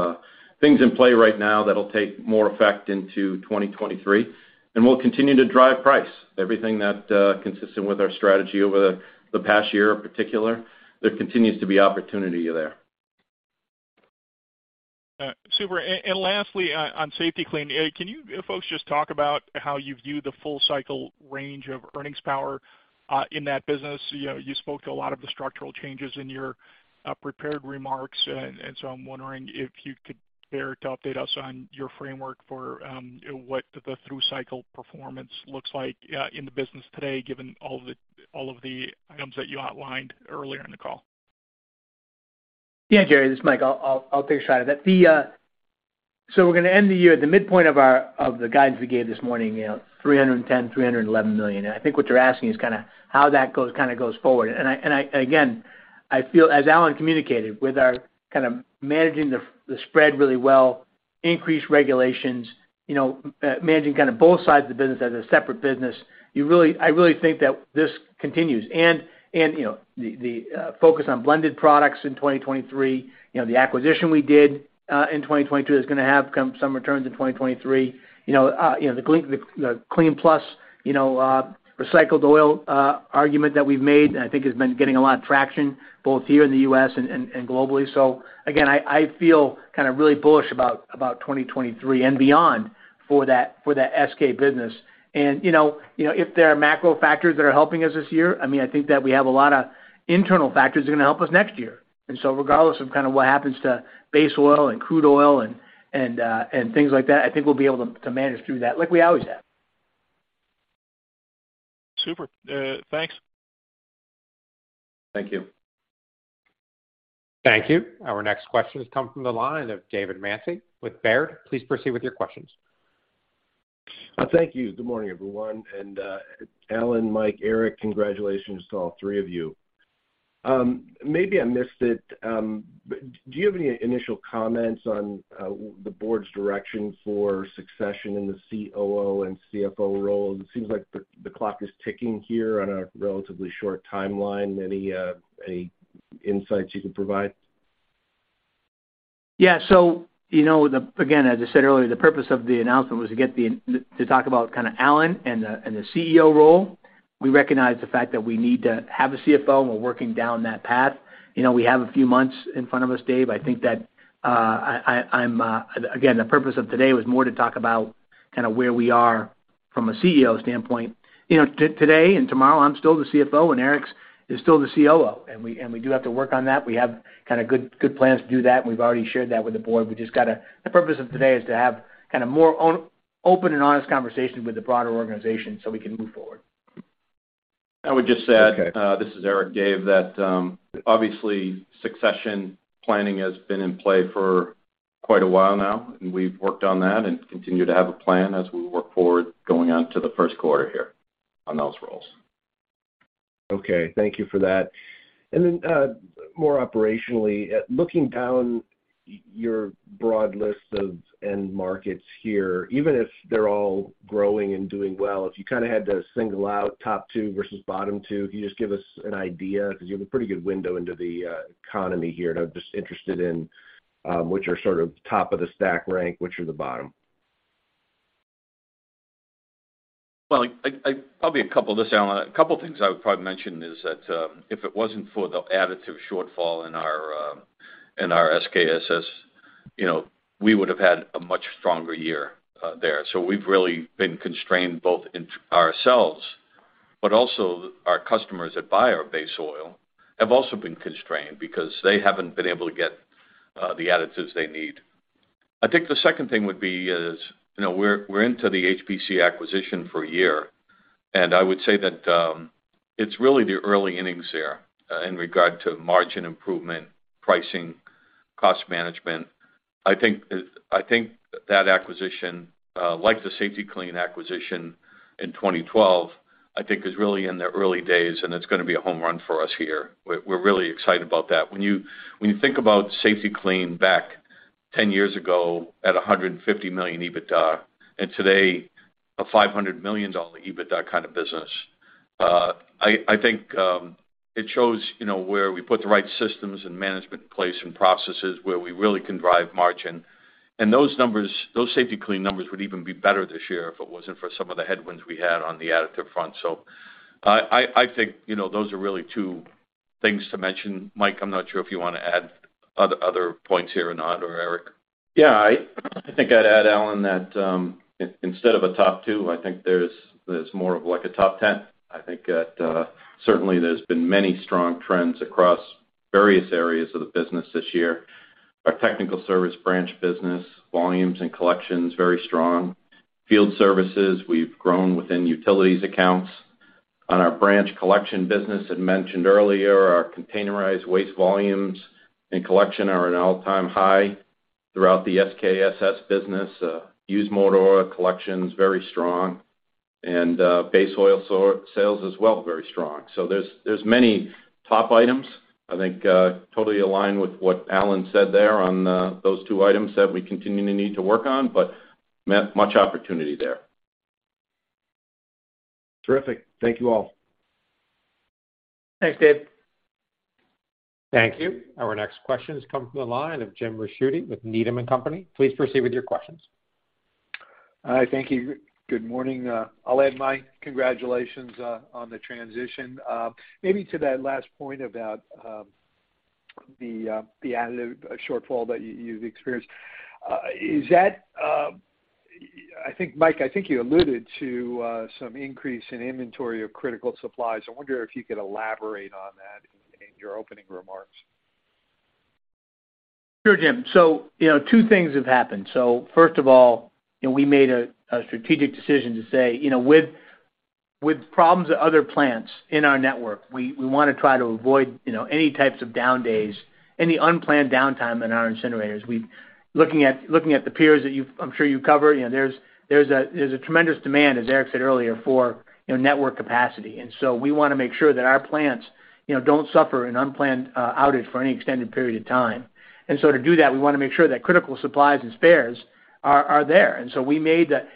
things in play right now that'll take more effect into 2023, and we'll continue to drive price. Everything that consistent with our strategy over the past year in particular, there continues to be opportunity there. Super. Lastly, on Safety-Kleen, can you folks just talk about how you view the full cycle range of earnings power in that business? You know, you spoke to a lot of the structural changes in your prepared remarks, and so I'm wondering if you could care to update us on your framework for what the through cycle performance looks like in the business today, given all of the items that you outlined earlier in the call. Yeah, Jerry, this is Mike. I'll take a shot at that. So we're gonna end the year at the midpoint of our guidance we gave this morning, you know, $310 million-$311 million. I think what you're asking is kinda how that goes, kinda goes forward. Again, I feel as Alan communicated, with our kind of managing the spread really well, increased regulations, you know, managing kind of both sides of the business as a separate business, I really think that this continues. You know, the focus on blended products in 2023, you know, the acquisition we did in 2022 is gonna have some returns in 2023. You know, the KLEEN+, you know, recycled oil argument that we've made, and I think has been getting a lot of traction both here in the U.S. and globally. Again, I feel kind of really bullish about 2023 and beyond for that SK business. You know, if there are macro factors that are helping us this year, I mean, I think that we have a lot of internal factors that are gonna help us next year. Regardless of kind of what happens to base oil and crude oil and things like that, I think we'll be able to manage through that like we always have. Super. Thanks. Thank you. Thank you. Our next question has come from the line of David Manthey with Baird. Please proceed with your questions. Thank you. Good morning, everyone. Alan, Mike, Eric, congratulations to all three of you. Maybe I missed it, but do you have any initial comments on the board's direction for succession in the COO and CFO role? It seems like the clock is ticking here on a relatively short timeline. Any insights you can provide? Yeah. You know, again, as I said earlier, the purpose of the announcement was to talk about kind of Alan and the CEO role. We recognize the fact that we need to have a CFO, and we're working on that path. You know, we have a few months in front of us, Dave. I think that I'm. Again, the purpose of today was more to talk about kind of where we are from a CEO standpoint. You know, today and tomorrow, I'm still the CFO, and Eric is still the COO, and we do have to work on that. We have kind of good plans to do that, and we've already shared that with the board. We just gotta. The purpose of today is to have kind of more open and honest conversations with the broader organization so we can move forward. I would just add. Okay. This is Eric, Dave, obviously, succession planning has been in play for quite a while now, and we've worked on that and continue to have a plan as we work forward going on to the first quarter here on those roles. Okay. Thank you for that. Then, more operationally, looking down your broad list of end markets here, even if they're all growing and doing well, if you kind of had to single out top two versus bottom two, can you just give us an idea? 'Cause you have a pretty good window into the economy here, and I'm just interested in which are sort of top of the stack rank, which are the bottom. Well, this is Alan. A couple things I would probably mention is that, if it wasn't for the additive shortfall in our SKSS, you know, we would've had a much stronger year there. We've really been constrained both ourselves, but also our customers that buy our base oil have also been constrained because they haven't been able to get the additives they need. I think the second thing would be is, you know, we're into the HPC acquisition for a year, and I would say that, it's really the early innings there in regard to margin improvement, pricing, cost management. I think that acquisition, like the Safety-Kleen acquisition in 2012, I think is really in the early days, and it's gonna be a home run for us here. We're really excited about that. When you think about Safety-Kleen back ten years ago at $150 million EBITDA and today a $500 million EBITDA kind of business, I think it shows, you know, where we put the right systems and management in place and processes where we really can drive margin. Those numbers, those Safety-Kleen numbers would even be better this year if it wasn't for some of the headwinds we had on the additive front. I think, you know, those are really two things to mention. Mike, I'm not sure if you wanna add other points here or not, or Eric. Yeah. I think I'd add, Alan, that instead of a top two, I think there's more of like a top ten. I think that, certainly there's been many strong trends across various areas of the business this year. Our technical service branch business volumes and collections, very strong. Field services, we've grown within utilities accounts. On our branch collection business, as mentioned earlier, our containerized waste volumes and collection are at an all-time high throughout the SKSS business. Used motor oil collections, very strong. And base oil sales as well, very strong. There's many top items, I think, totally aligned with what Alan said there on those two items that we continue to need to work on, but much opportunity there. Terrific. Thank you all. Thanks, Dave. Thank you. Our next question has come from the line of James Ricchiuti with Needham & Company. Please proceed with your questions. Hi. Thank you. Good morning. I'll add my congratulations on the transition. Maybe to that last point about the additive shortfall that you've experienced. Is that, I think, Mike, I think you alluded to some increase in inventory of critical supplies. I wonder if you could elaborate on that in your opening remarks. Sure, Jim. You know, two things have happened. First of all, you know, we made a strategic decision to say, you know, with problems at other plants in our network, we wanna try to avoid, you know, any types of down days, any unplanned downtime in our incinerators. Looking at the peers that you've... I'm sure you cover, you know, there's a tremendous demand, as Eric said earlier, for network capacity. We wanna make sure that our plants, you know, don't suffer an unplanned outage for any extended period of time. To do that, we wanna make sure that critical supplies and spares are there. We made the...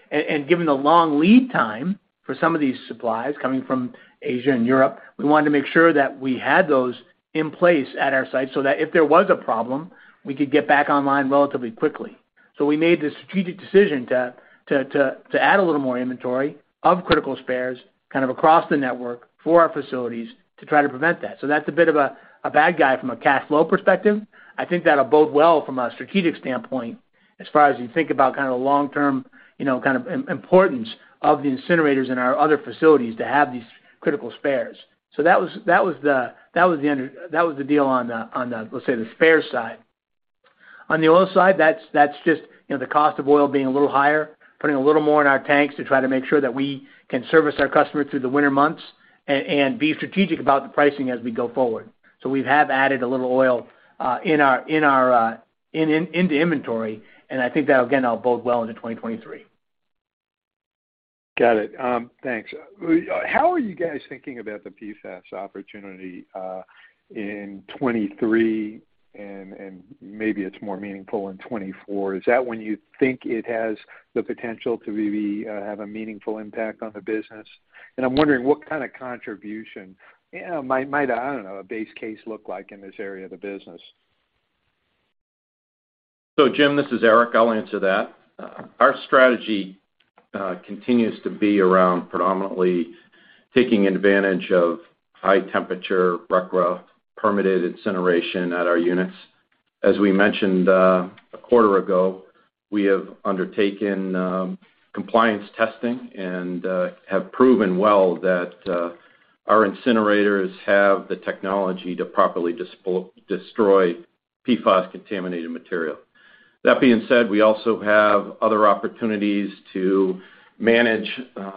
Given the long lead time for some of these supplies coming from Asia and Europe, we wanted to make sure that we had those in place at our site so that if there was a problem, we could get back online relatively quickly. We made the strategic decision to add a little more inventory of critical spares kind of across the network for our facilities to try to prevent that. That's a bit of a bad guy from a cash flow perspective. I think that'll bode well from a strategic standpoint as far as you think about kind of the long term, you know, kind of importance of the incinerators in our other facilities to have these critical spares. That was the deal on the spares side. On the oil side, that's just, you know, the cost of oil being a little higher, putting a little more in our tanks to try to make sure that we can service our customers through the winter months and be strategic about the pricing as we go forward. We have added a little oil into our inventory, and I think that, again, that'll bode well into 2023. Got it. Thanks. How are you guys thinking about the PFAS opportunity in 2023 and maybe it's more meaningful in 2024? Is that when you think it has the potential to really have a meaningful impact on the business? I'm wondering what kind of contribution, you know, might I don't know, a base case look like in this area of the business. Jim, this is Eric. I'll answer that. Our strategy continues to be around predominantly taking advantage of high temperature RCRA permitted incineration at our units. As we mentioned a quarter ago, we have undertaken compliance testing and have proven well that our incinerators have the technology to properly destroy PFAS contaminated material. That being said, we also have other opportunities to manage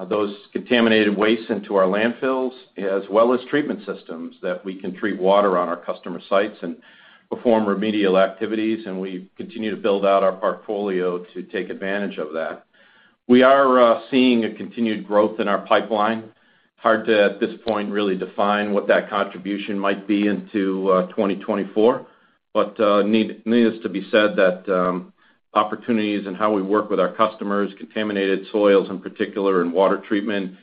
those contaminated wastes into our landfills as well as treatment systems that we can treat water on our customer sites and perform remedial activities, and we continue to build out our portfolio to take advantage of that. We are seeing a continued growth in our pipeline. Hard to, at this point, really define what that contribution might be into 2024. Needless to say, opportunities and how we work with our customers, contaminated soils in particular and water treatment,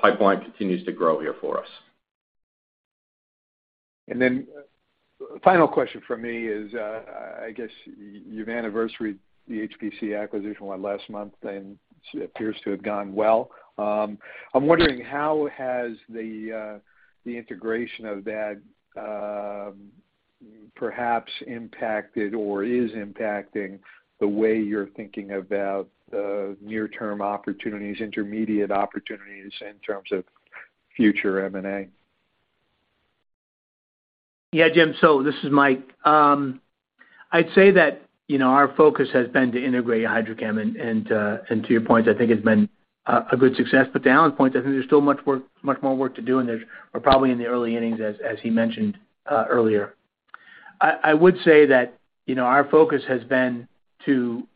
pipeline continues to grow here for us. Final question from me is, I guess you've anniversaried the HPC acquisition, what, last month, and it appears to have gone well. I'm wondering how has the the integration of that perhaps impacted or is impacting the way you're thinking about near term opportunities, intermediate opportunities in terms of future M&A? Yeah, Jim. This is Mike. I'd say that, you know, our focus has been to integrate HydroChemPSC and to your point, I think it's been a good success. To Alan's point, I think there's still much more work to do, and we're probably in the early innings as he mentioned earlier. I would say that, you know, our focus has been to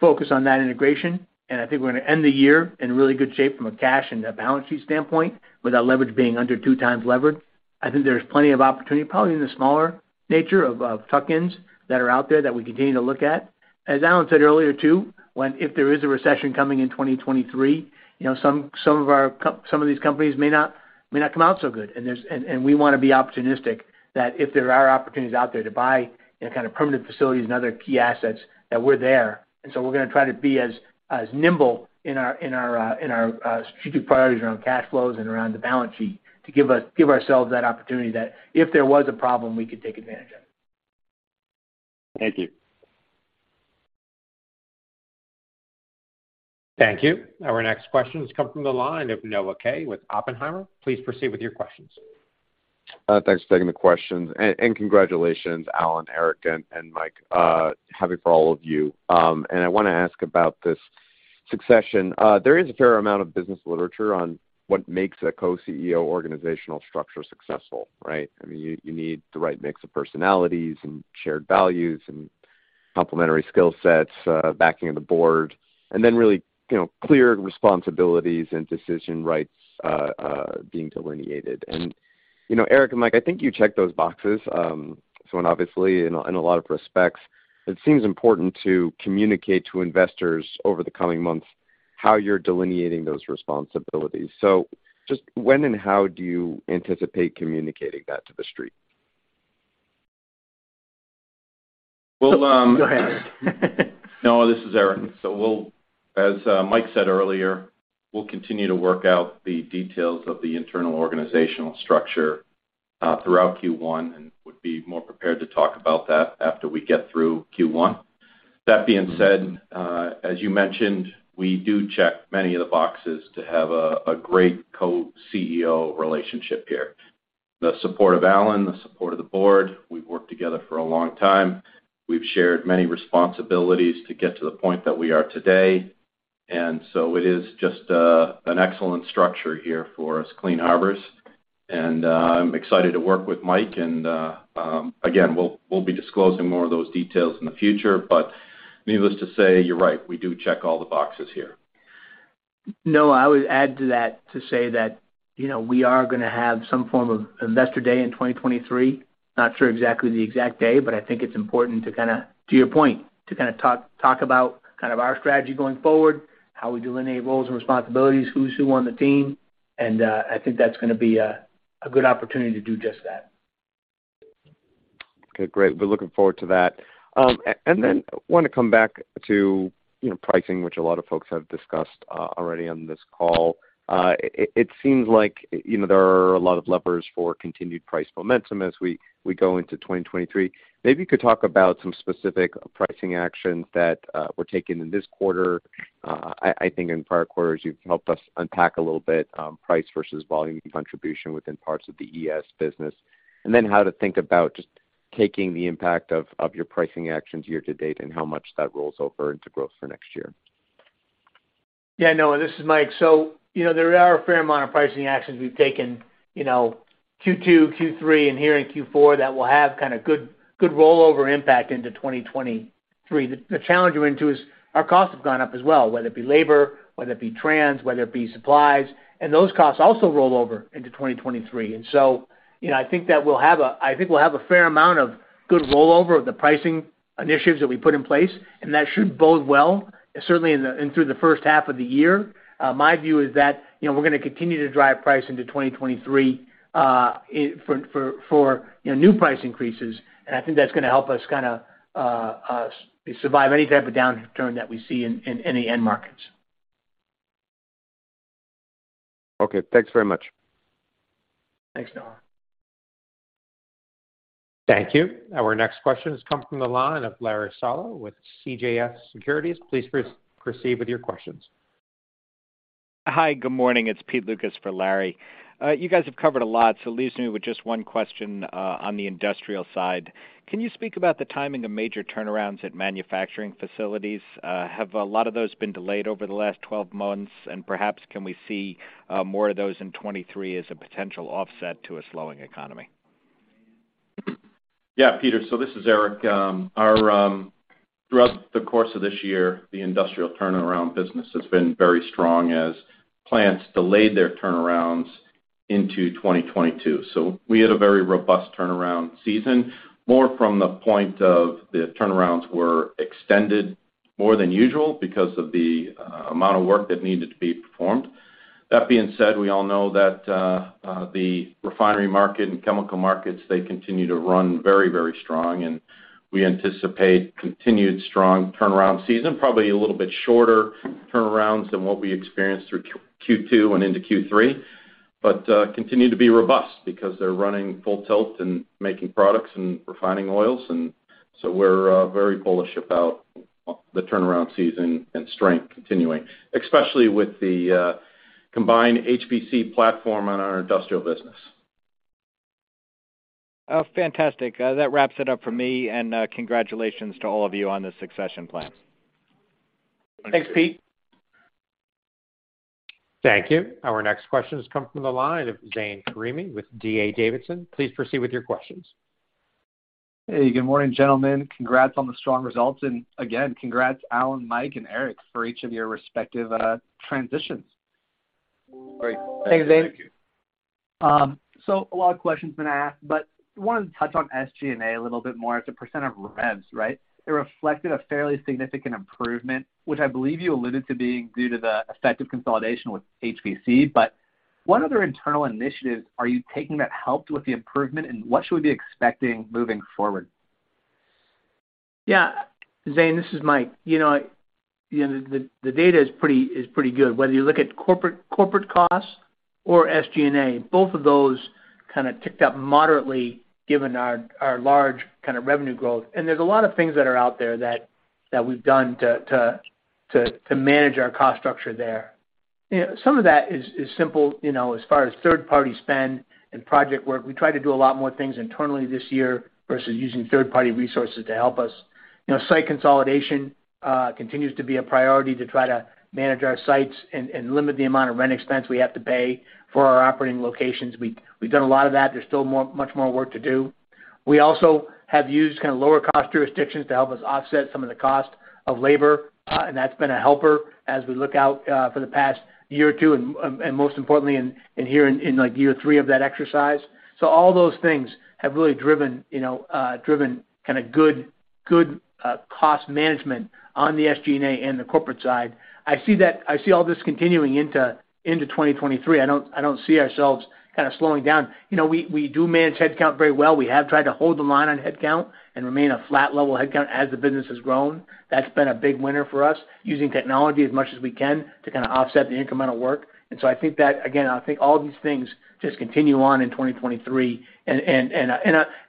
focus on that integration, and I think we're gonna end the year in really good shape from a cash and a balance sheet standpoint, with our leverage being under 2x levered. I think there's plenty of opportunity, probably in the smaller nature of tuck-ins that are out there that we continue to look at. As Alan said earlier, too, when, if there is a recession coming in 2023, you know, some of these companies may not come out so good. We wanna be opportunistic that if there are opportunities out there to buy, you know, kind of permanent facilities and other key assets, that we're there. We're gonna try to be as nimble in our strategic priorities around cash flows and around the balance sheet to give ourselves that opportunity that if there was a problem, we could take advantage of it. Thank you. Thank you. Our next question has come from the line of Noah Kaye with Oppenheimer. Please proceed with your questions. Thanks for taking the questions. Congratulations, Alan, Eric, and Mike, happy for all of you. I wanna ask about this succession. There is a fair amount of business literature on what makes a co-CEO organizational structure successful, right? I mean, you need the right mix of personalities and shared values and complementary skill sets, backing of the board, and then really, you know, clear responsibilities and decision rights being delineated. You know, Eric and Mike, I think you check those boxes, and obviously in a lot of respects, it seems important to communicate to investors over the coming months how you're delineating those responsibilities. Just when and how do you anticipate communicating that to the street? Well, Go ahead. Noah, this is Eric. We'll—as Mike said earlier, we'll continue to work out the details of the internal organizational structure throughout Q1, and would be more prepared to talk about that after we get through Q1. That being said, as you mentioned, we do check many of the boxes to have a great co-CEO relationship here. The support of Alan, the support of the board, we've worked together for a long time. We've shared many responsibilities to get to the point that we are today. It is just an excellent structure here for us, Clean Harbors. I'm excited to work with Mike and again, we'll be disclosing more of those details in the future. Needless to say, you're right, we do check all the boxes here. No, I would add to that to say that, you know, we are gonna have some form of Investor Day in 2023. Not sure exactly the day, but I think it's important to kinda, to your point, to kinda talk about kind of our strategy going forward, how we delineate roles and responsibilities, who's who on the team. I think that's gonna be a good opportunity to do just that. Okay, great. We're looking forward to that. Then we want to come back to, you know, pricing, which a lot of folks have discussed already on this call. It seems like, you know, there are a lot of levers for continued price momentum as we go into 2023. Maybe you could talk about some specific pricing actions that were taken in this quarter. I think in prior quarters, you've helped us unpack a little bit price versus volume contribution within parts of the ES business. Then how to think about just taking the impact of your pricing actions year to date and how much that rolls over into growth for next year. Yeah, Noah, this is Mike. So, you know, there are a fair amount of pricing actions we've taken, you know, Q2, Q3, and here in Q4 that will have kinda good rollover impact into 2023. The challenge we run into is our costs have gone up as well, whether it be labor, whether it be transport, whether it be supplies, and those costs also roll over into 2023. You know, I think we'll have a fair amount of good rollover of the pricing initiatives that we put in place, and that should bode well, certainly in through the first half of the year. My view is that, you know, we're gonna continue to drive price into 2023 for new price increases. I think that's gonna help us kinda survive any type of downturn that we see in any end markets. Okay. Thanks very much. Thanks, Noah. Thank you. Our next question has come from the line of Larry Solow with CJS Securities. Please proceed with your questions. Hi, good morning. It's Pete Lucas for Larry. You guys have covered a lot, so it leaves me with just one question on the industrial side. Can you speak about the timing of major turnarounds at manufacturing facilities? Have a lot of those been delayed over the last 12 months? Perhaps, can we see more of those in 2023 as a potential offset to a slowing economy? Yeah, Peter, so this is Eric. Throughout the course of this year, the industrial turnaround business has been very strong as plants delayed their turnarounds into 2022. We had a very robust turnaround season, more from the point of the turnarounds were extended more than usual because of the amount of work that needed to be performed. That being said, we all know that the refinery market and chemical markets, they continue to run very, very strong, and we anticipate continued strong turnaround season. Probably a little bit shorter turnarounds than what we experienced through Q2 and into Q3, but continue to be robust because they're running full tilt and making products and refining oils. We're very bullish about the turnaround season and strength continuing, especially with the combined HPC platform on our industrial business. Oh, fantastic. That wraps it up for me. Congratulations to all of you on the succession plan. Thanks, Pete. Thank you. Our next question has come from the line of Zane Karimi with D.A. Davidson. Please proceed with your questions. Hey, good morning, gentlemen. Congrats on the strong results. Again, congrats, Alan, Mike, and Eric for each of your respective transitions. Great. Thank you. Thanks, Zane. A lot of questions been asked, but wanted to touch on SG&A a little bit more as a percent of revs, right? It reflected a fairly significant improvement, which I believe you alluded to being due to the effective consolidation with HPC. What other internal initiatives are you taking that helped with the improvement, and what should we be expecting moving forward? Yeah. Zane, this is Mike. You know, the data is pretty good. Whether you look at corporate costs or SG&A, both of those kinda ticked up moderately given our large kinda revenue growth. There's a lot of things that are out there that we've done to manage our cost structure there. You know, some of that is simple, you know, as far as third-party spend and project work. We try to do a lot more things internally this year versus using third-party resources to help us. You know, site consolidation continues to be a priority to try to manage our sites and limit the amount of rent expense we have to pay for our operating locations. We've done a lot of that. There's still much more work to do. We also have used kinda lower cost jurisdictions to help us offset some of the cost of labor, and that's been a helper as we look out for the past year or two and most importantly in, like, year three of that exercise. All those things have really driven, you know, kinda good cost management on the SG&A and the corporate side. I see all this continuing into 2023. I don't see ourselves kind of slowing down. You know, we do manage headcount very well. We have tried to hold the line on headcount and remain a flat level headcount as the business has grown. That's been a big winner for us, using technology as much as we can to kinda offset the incremental work. I think that, again, I think all these things just continue on in 2023.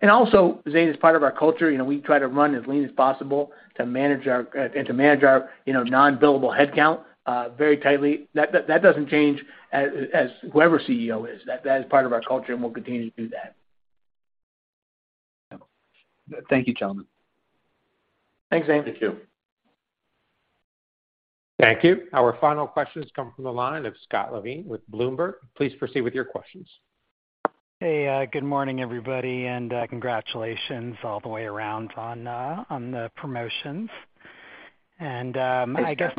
Also, Zane, as part of our culture, you know, we try to run as lean as possible to manage our, you know, non-billable headcount very tightly. That doesn't change as whoever CEO is. That is part of our culture, and we'll continue to do that. Thank you, gentlemen. Thanks, Zane. Thank you. Thank you. Our final questions come from the line of Scott Levine with Bloomberg. Please proceed with your questions. Hey, good morning, everybody, and congratulations all the way around on the promotions. Thank you. I guess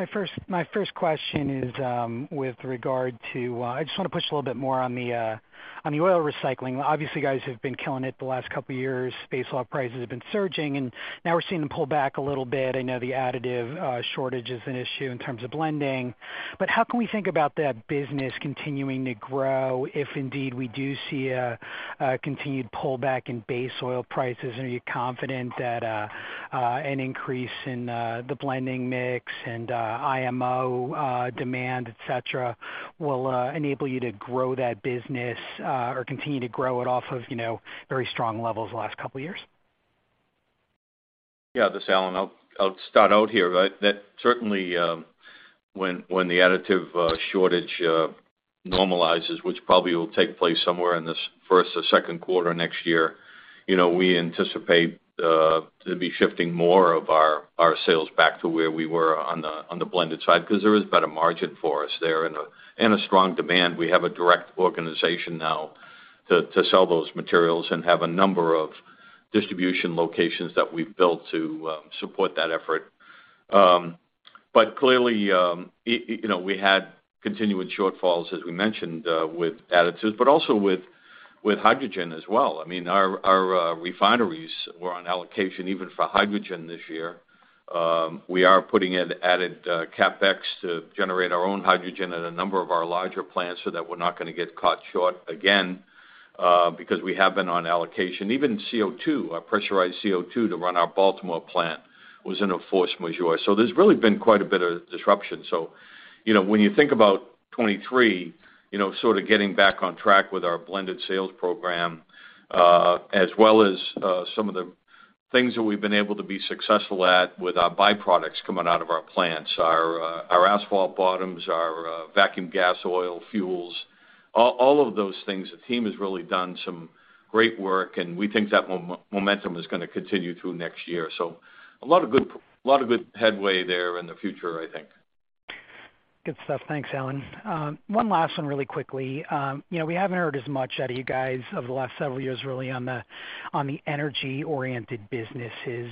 my first question is with regard to, I just wanna push a little bit more on the on the oil recycling. Obviously, you guys have been killing it the last couple years. Base oil prices have been surging, and now we're seeing them pull back a little bit. I know the additive shortage is an issue in terms of blending. But how can we think about that business continuing to grow if indeed we do see a continued pullback in base oil prices? Are you confident that an increase in the blending mix and IMO demand, et cetera, will enable you to grow that business or continue to grow it off of, you know, very strong levels the last couple years? Yeah, this is Alan. I'll start out here. That certainly, when the additive shortage normalizes, which probably will take place somewhere in the first or second quarter next year, you know, we anticipate to be shifting more of our sales back to where we were on the blended side, 'cause there is better margin for us there and strong demand. We have a direct organization now to sell those materials and have a number of distribution locations that we've built to support that effort. Clearly, you know, we had continuing shortfalls as we mentioned with additives, but also with hydrogen as well. I mean, our refineries were on allocation even for hydrogen this year. We are putting in added CapEx to generate our own hydrogen at a number of our larger plants so that we're not gonna get caught short again, because we have been on allocation. Even CO2, our pressurized CO2 to run our Baltimore plant was in a force majeure. There's really been quite a bit of disruption. You know, when you think about 2023, you know, sorta getting back on track with our blended sales program, as well as some of the things that we've been able to be successful at with our byproducts coming out of our plants, our asphalt bottoms, our vacuum gas oil fuels, all of those things. The team has really done some great work, and we think that momentum is gonna continue through next year. A lot of good headway there in the future, I think. Good stuff. Thanks, Alan. One last one really quickly. You know, we haven't heard as much out of you guys over the last several years really on the energy-oriented businesses.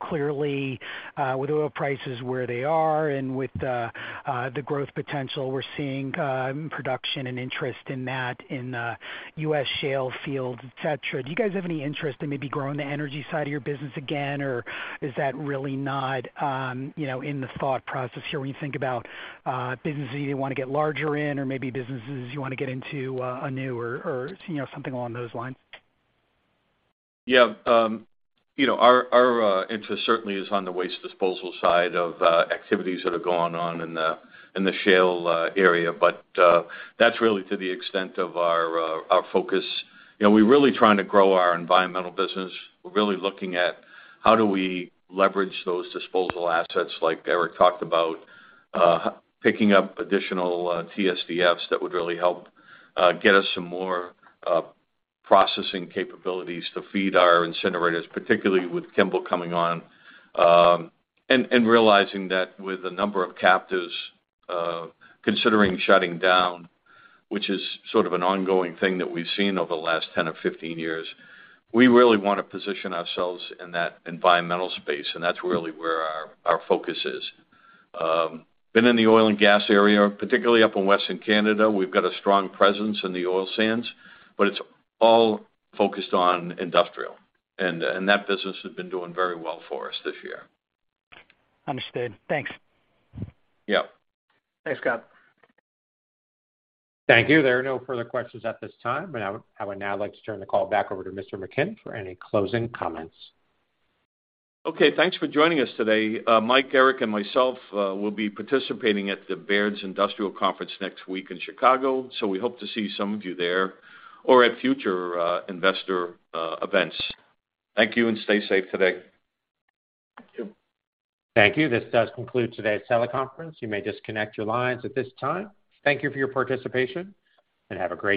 Clearly, with oil prices where they are and with the growth potential we're seeing, production and interest in that in U.S. shale fields, et cetera. Do you guys have any interest in maybe growing the energy side of your business again, or is that really not in the thought process here when you think about businesses you wanna get larger in or maybe businesses you wanna get into, anew or, you know, something along those lines? Yeah, you know, our interest certainly is on the waste disposal side of activities that are going on in the shale area. That's really to the extent of our focus. You know, we're really trying to grow our environmental business. We're really looking at how do we leverage those disposal assets, like Eric talked about, picking up additional TSDFs that would really help get us some more processing capabilities to feed our incinerators, particularly with Kimball coming on. Realizing that with a number of competitors considering shutting down, which is sort of an ongoing thing that we've seen over the last 10 or 15 years, we really wanna position ourselves in that environmental space, and that's really where our focus is. Been in the oil and gas area, particularly up in Western Canada. We've got a strong presence in the oil sands, but it's all focused on industrial, and that business has been doing very well for us this year. Understood. Thanks. Yep. Thanks, Scott. Thank you. There are no further questions at this time. I would now like to turn the call back over to Mr. McKim for any closing comments. Okay, thanks for joining us today. Mike, Eric, and myself will be participating at the Baird's Industrial Conference next week in Chicago, so we hope to see some of you there or at future investor events. Thank you, and stay safe today. Thank you. Thank you. This does conclude today's teleconference. You may disconnect your lines at this time. Thank you for your participation, and have a great day.